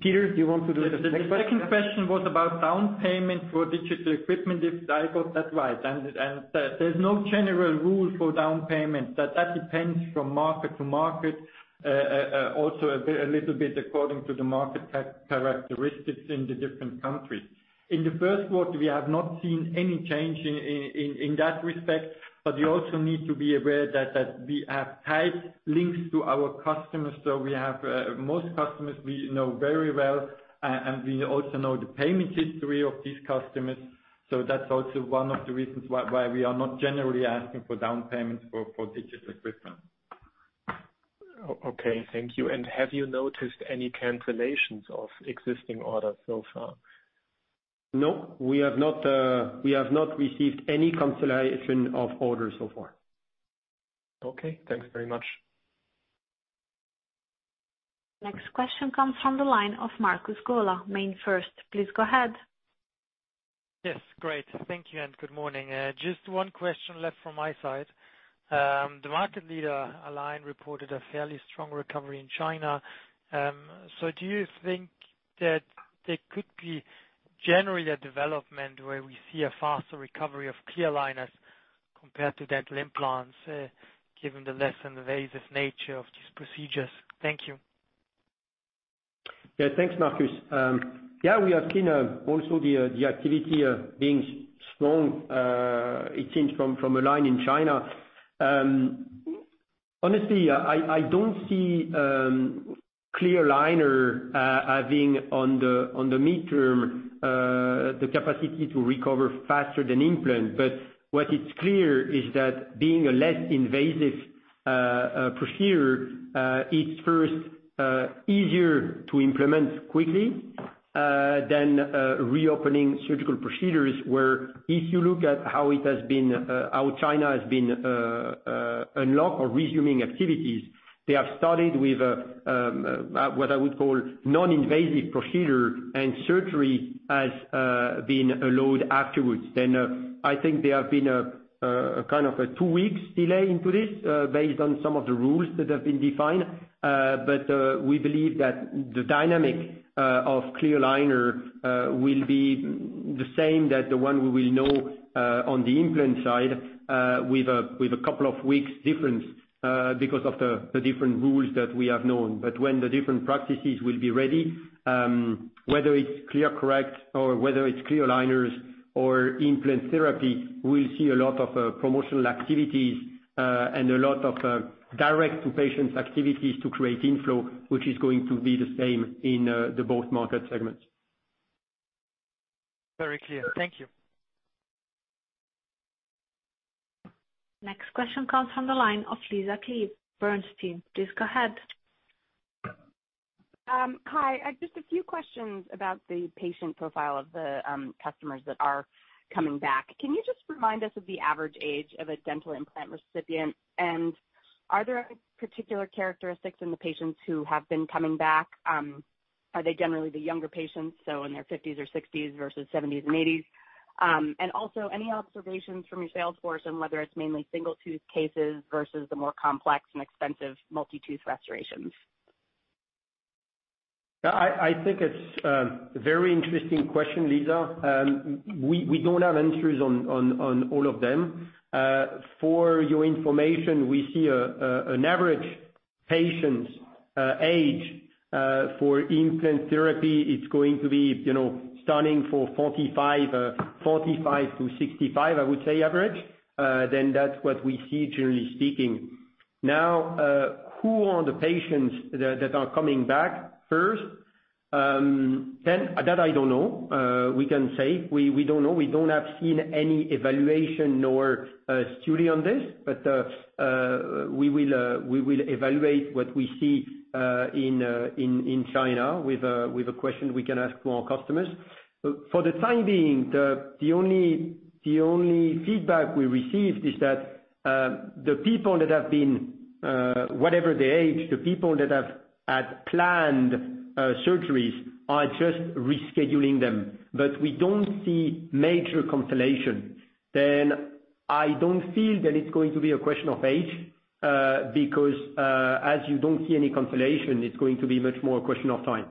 Peter, do you want to do the next part? The second question was about down payment for digital equipment, if I got that right. There's no general rule for down payment. That depends from market to market, also a little bit according to the market characteristics in the different countries. In the first quarter, we have not seen any change in that respect. You also need to be aware that we have tight links to our customers. Most customers we know very well, and we also know the payment history of these customers. That's also one of the reasons why we are not generally asking for down payments for digital equipment. Okay. Thank you. Have you noticed any cancellations of existing orders so far? No, we have not received any cancellation of orders so far. Okay. Thanks very much. Next question comes from the line of Markus Gola, MainFirst. Please go ahead. Yes. Great. Thank you, and good morning. Just one question left from my side. The market leader, Align, reported a fairly strong recovery in China. Do you think that there could be generally a development where we see a faster recovery of clear aligners compared to dental implants, given the less invasive nature of these procedures? Thank you. Yeah, thanks, Markus. Yeah, we have seen also the activity being strong, it seems, from Align in China. Honestly, I don't see clear aligner having, on the mid-term, the capacity to recover faster than implant. What is clear is that being a less invasive procedure, it's first easier to implement quickly than reopening surgical procedures, where if you look at how China has been unlocked or resuming activities, they have started with what I would call non-invasive procedure, and surgery has been allowed afterwards. I think there have been a kind of a two weeks delay into this, based on some of the rules that have been defined. We believe that the dynamic of clear aligner will be the same that the one we will know on the implant side, with a couple of weeks difference, because of the different rules that we have known. When the different practices will be ready, whether it is ClearCorrect or whether it is clear aligners or implant therapy, we will see a lot of promotional activities and a lot of direct-to-patients activities to create inflow, which is going to be the same in both market segments. Very clear. Thank you. Next question comes from the line of Lisa Clive, Bernstein. Please go ahead. Hi. Just a few questions about the patient profile of the customers that are coming back. Can you just remind us of the average age of a dental implant recipient, and are there particular characteristics in the patients who have been coming back? Are they generally the younger patients, so in their 50s or 60s versus 70s and 80s? Also, any observations from your sales force on whether it's mainly single-tooth cases versus the more complex and expensive multi-tooth restorations. I think it's a very interesting question, Lisa. We don't have answers on all of them. For your information, we see an average patient's age for implant therapy, it's going to be starting for 45 to 65, I would say, average. That's what we see generally speaking. Now, who are the patients that are coming back first? That, I don't know. We can say we don't know. We don't have seen any evaluation nor study on this. We will evaluate what we see in China with a question we can ask to our customers. For the time being, the only feedback we received is that the people that have been, whatever their age, the people that had planned surgeries are just rescheduling them. We don't see major cancellation. I don't feel that it's going to be a question of age, because, as you don't see any cancellation, it's going to be much more a question of time.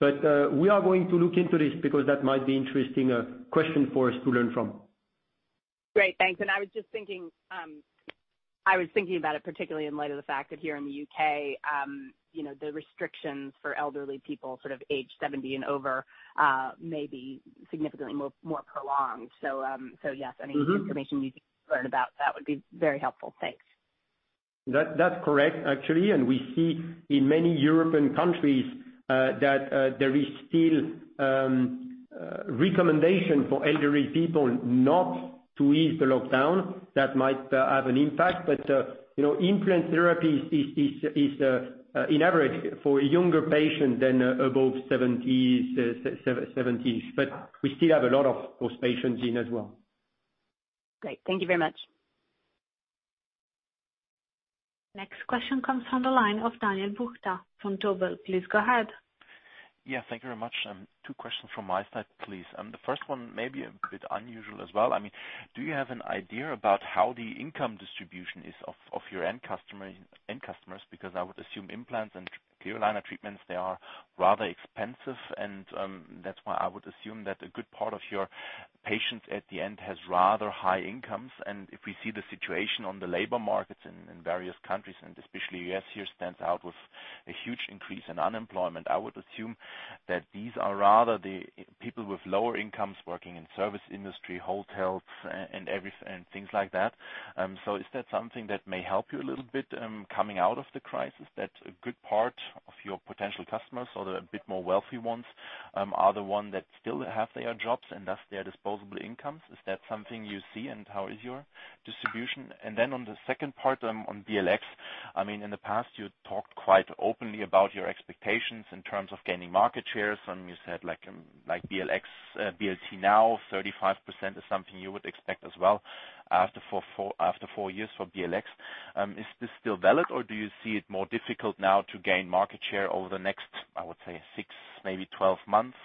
We are going to look into this because that might be interesting question for us to learn from. Great. Thanks. I was just thinking about it, particularly in light of the fact that here in the U.K., the restrictions for elderly people sort of age 70 and over, may be significantly more prolonged. Yes. Any information you can learn about that would be very helpful. Thanks. That's correct, actually. We see in many European countries that there is still recommendation for elderly people not to ease the lockdown, that might have an impact. Implant therapy is, in average, for a younger patient than above 70s. We still have a lot of those patients in as well. Great. Thank you very much. Next question comes from the line of Daniel Buchta from Vontobel. Please go ahead. Yeah. Thank you very much. Two questions from my side, please. The first one may be a bit unusual as well. Do you have an idea about how the income distribution is of your end customers? Because I would assume implants and clear aligner treatments, they are rather expensive, and that's why I would assume that a good part of your patients at the end has rather high incomes. If we see the situation on the labor markets in various countries, and especially U.S. here stands out with a huge increase in unemployment, I would assume that these are rather the people with lower incomes working in service industry, hotels, and things like that. Is that something that may help you a little bit coming out of the crisis, that a good part of your potential customers or the bit more wealthy ones, are the one that still have their jobs and thus their disposable incomes? Is that something you see? How is your distribution? On the second part on BLX, in the past you talked quite openly about your expectations in terms of gaining market shares, and you said like BLX, BLC now, 35% is something you would expect as well after four years for BLX. Is this still valid or do you see it more difficult now to gain market share over the next, I would say six, maybe 12 months?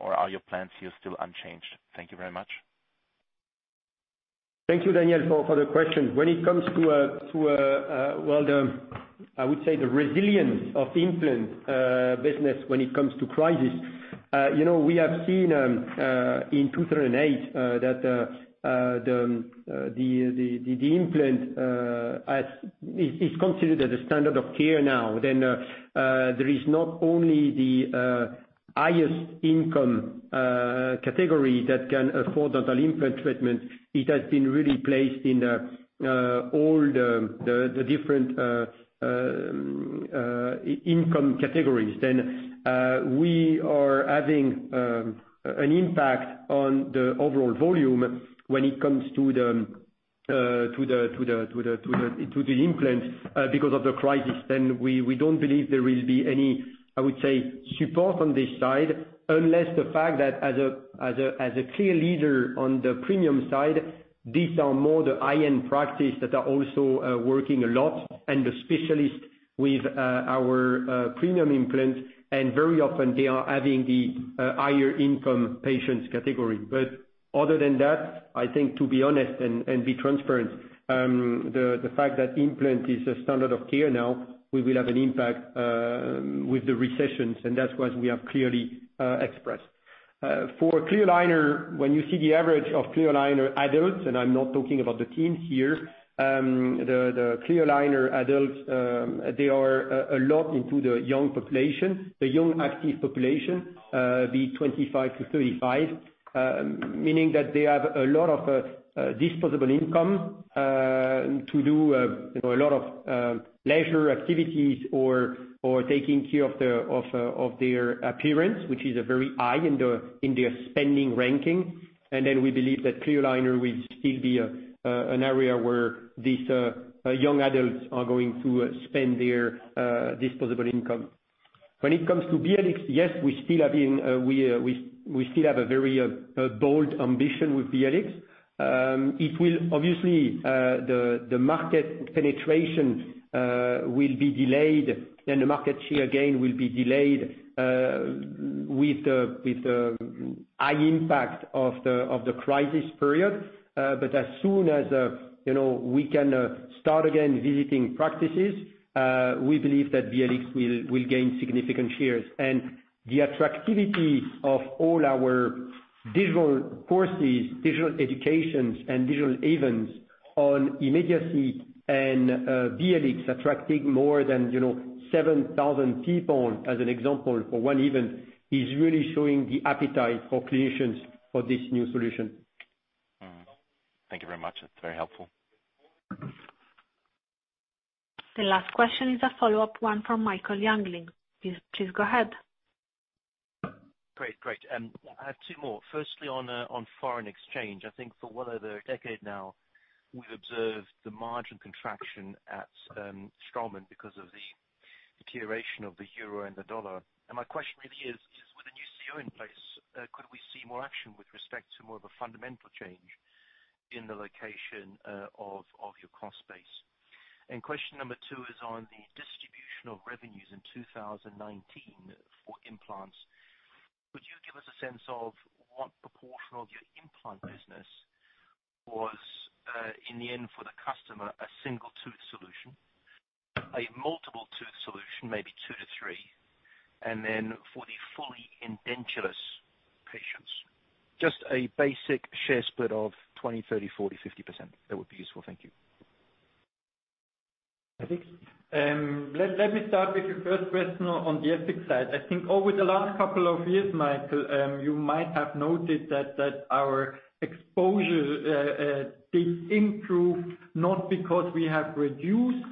Are your plans here still unchanged? Thank you very much. Thank you, Daniel, for the question. I would say the resilience of implant business when it comes to crisis. We have seen, in 2008, that the implant is considered as a standard of care now. There is not only the highest income category that can afford that implant treatment. It has been really placed in all the different income categories. We are having an impact on the overall volume when it comes to the implant because of the crisis. We don't believe there will be any, I would say, support on this side unless the fact that as a clear leader on the premium side, these are more the high-end practice that are also working a lot and the specialist with our premium implant, and very often they are having the higher income patients category. Other than that, I think to be honest and be transparent, the fact that implant is a standard of care now, we will have an impact with the recessions, and that's what we have clearly expressed. For clear aligner, when you see the average of clear aligner adults, and I'm not talking about the teens here. The clear aligner adults, they are a lot into the young population, the young active population, the 25 to 35, meaning that they have a lot of disposable income to do a lot of leisure activities or taking care of their appearance, which is a very high in their spending ranking. Then we believe that clear aligner will still be an area where these young adults are going to spend their disposable income. When it comes to BLX, yes, we still have a very bold ambition with BLX. Obviously, the market penetration will be delayed and the market share gain will be delayed, with the high impact of the crisis period. As soon as we can start again visiting practices, we believe that BLX will gain significant shares. The attractivity of all our digital courses, digital educations, and digital events on immediacy and BLX attracting more than 7,000 people as an example for one event, is really showing the appetite for clinicians for this new solution. Thank you very much. That's very helpful. The last question is a follow-up one from Michael Jüngling. Please go ahead. Great. I have two more. Firstly, on foreign exchange. I think for well over a decade now, we've observed the margin contraction at Straumann because of the deterioration of the euro and the dollar. My question really is, with a new CEO in place, could we see more action with respect to more of a fundamental change in the location of your cost base? Question number two is on the distribution of revenues in 2019 for implants. Could you give us a sense of what proportion of your implant business was, in the end for the customer, a single tooth solution, a multiple tooth solution, maybe two to three, and then for the fully edentulous patients. Just a basic share split of 20%, 30%, 40%, 50%. That would be useful. Thank you. Peter? Let me start with your first question on the EBIT side. I think over the last couple of years, Michael, you might have noted that our exposure did improve not because we have reduced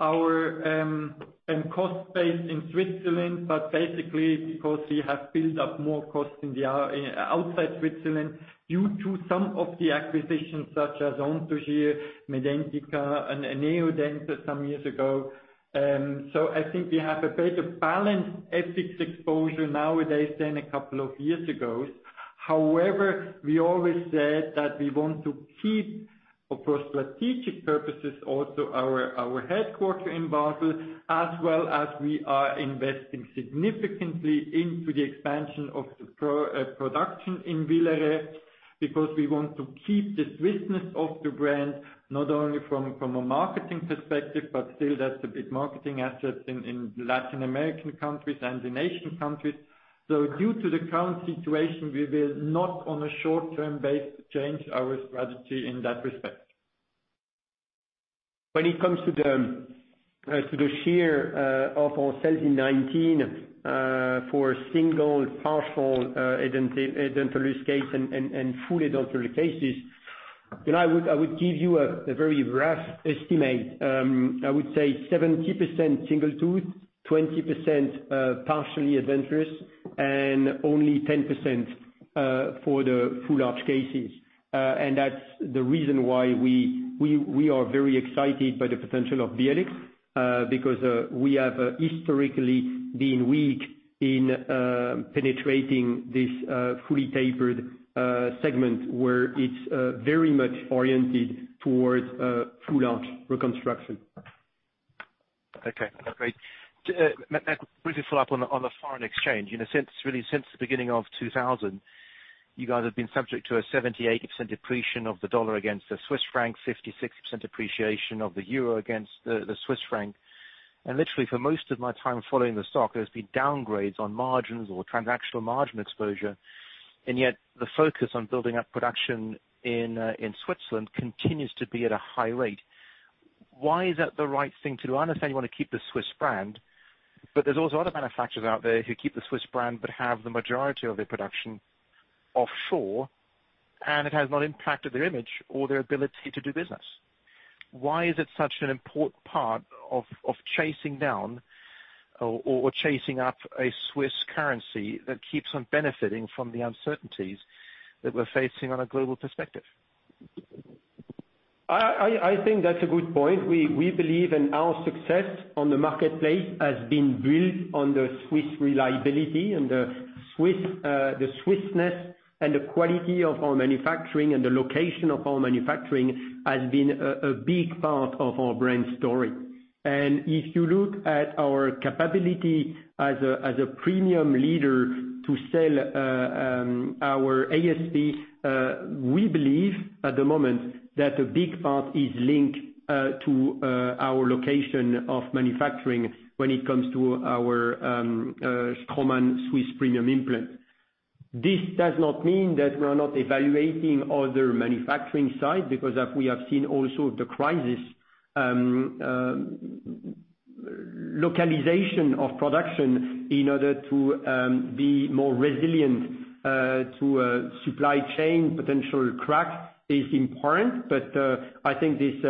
our cost base in Switzerland, but basically because we have built up more costs outside Switzerland due to some of the acquisitions, such as Anthogyr, Medentika, and Neodent some years ago. I think we have a better balanced FX exposure nowadays than a couple of years ago. However, we always said that we want to keep, of course, strategic purposes, also our headquarter in Basel, as well as we are investing significantly into the expansion of the production in Villeret, because we want to keep the Swissness of the brand, not only from a marketing perspective, but still that's a big marketing asset in Latin American countries and Asian countries. Due to the current situation, we will not, on a short-term basis, change our strategy in that respect. When it comes to the share of our sales in 2019 for single, partial edentulous case and full edentulous cases, I would give you a very rough estimate. I would say 70% single tooth, 20% partially edentulous, and only 10% for the full arch cases. That's the reason why we are very excited by the potential of BLX, because we have historically been weak in penetrating this fully tapered segment where it's very much oriented towards full arch reconstruction. Okay. Great. Michael, briefly follow up on the foreign exchange. Since the beginning of 2000, you guys have been subject to a 78% depreciation of the dollar against the Swiss franc, 56% appreciation of the euro against the Swiss franc. Literally for most of my time following the stock, there's been downgrades on margins or transactional margin exposure. Yet the focus on building up production in Switzerland continues to be at a high rate. Why is that the right thing to do? I understand you want to keep the Swiss brand, but there's also other manufacturers out there who keep the Swiss brand but have the majority of their production offshore, and it has not impacted their image or their ability to do business. Why is it such an important part of chasing down or chasing up a Swiss currency that keeps on benefiting from the uncertainties that we're facing on a global perspective? I think that's a good point. We believe in our success on the marketplace has been built on the Swiss reliability and the Swissness and the quality of our manufacturing, and the location of our manufacturing has been a big part of our brand story. If you look at our capability as a premium leader to sell our ASPs, we believe at the moment that a big part is linked to our location of manufacturing when it comes to our Straumann Swiss premium implant. This does not mean that we are not evaluating other manufacturing sites, because we have seen also the crisis, localization of production in order to be more resilient to supply chain potential cracks is important. I think this is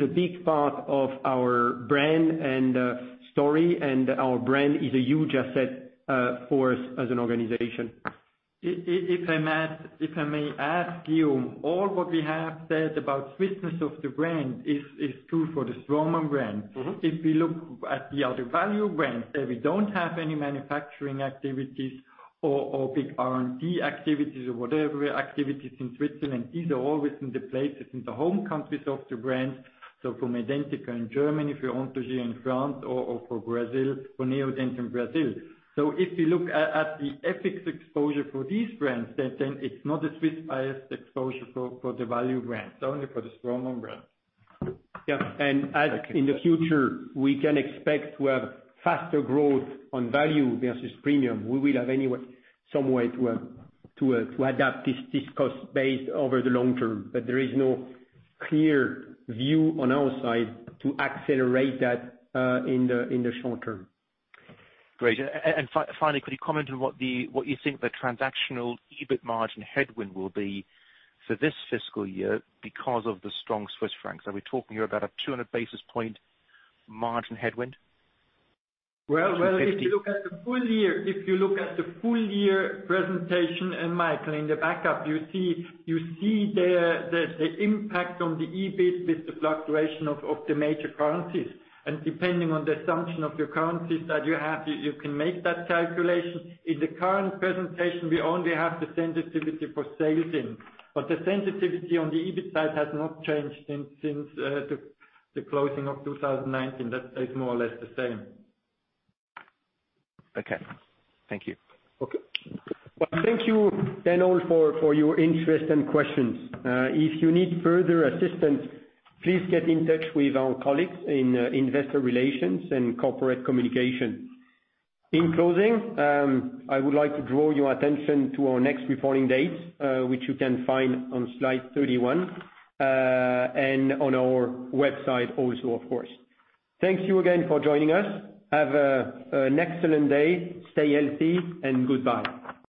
a big part of our brand and story, and our brand is a huge asset for us as an organization. If I may add, Guillaume, all what we have said about Swissness of the brand is true for the Straumann brand. If we look at the other value brands that we don't have any manufacturing activities or big R&D activities or whatever activities in Switzerland, these are always in the places in the home countries of the brands. From Medentika in Germany, for Anthogyr in France, or for Neodent in Brazil. If you look at the FX exposure for these brands, then it's not a Swiss bias exposure for the value brands, only for the Straumann brand. Yeah. As in the future, we can expect to have faster growth on value versus premium. We will have anyway some way to adapt this cost base over the long term. There is no clear view on our side to accelerate that in the short term. Great. Finally, could you comment on what you think the transactional EBIT margin headwind will be for this fiscal year because of the strong Swiss francs? Are we talking here about a 200 basis point margin headwind? Well, if you look at the full year presentation, and Michael, in the backup, you see the impact on the EBIT with the fluctuation of the major currencies. Depending on the assumption of your currencies that you have, you can make that calculation. In the current presentation, we only have the sensitivity for sales in, but the sensitivity on the EBIT side has not changed since the closing of 2019. That is more or less the same. Okay. Thank you. Okay. Well, thank you then all for your interest and questions. If you need further assistance, please get in touch with our colleagues in Investor Relations and Corporate Communications. In closing, I would like to draw your attention to our next reporting date, which you can find on slide 31, and on our website also, of course. Thank you again for joining us. Have an excellent day. Stay healthy, and goodbye.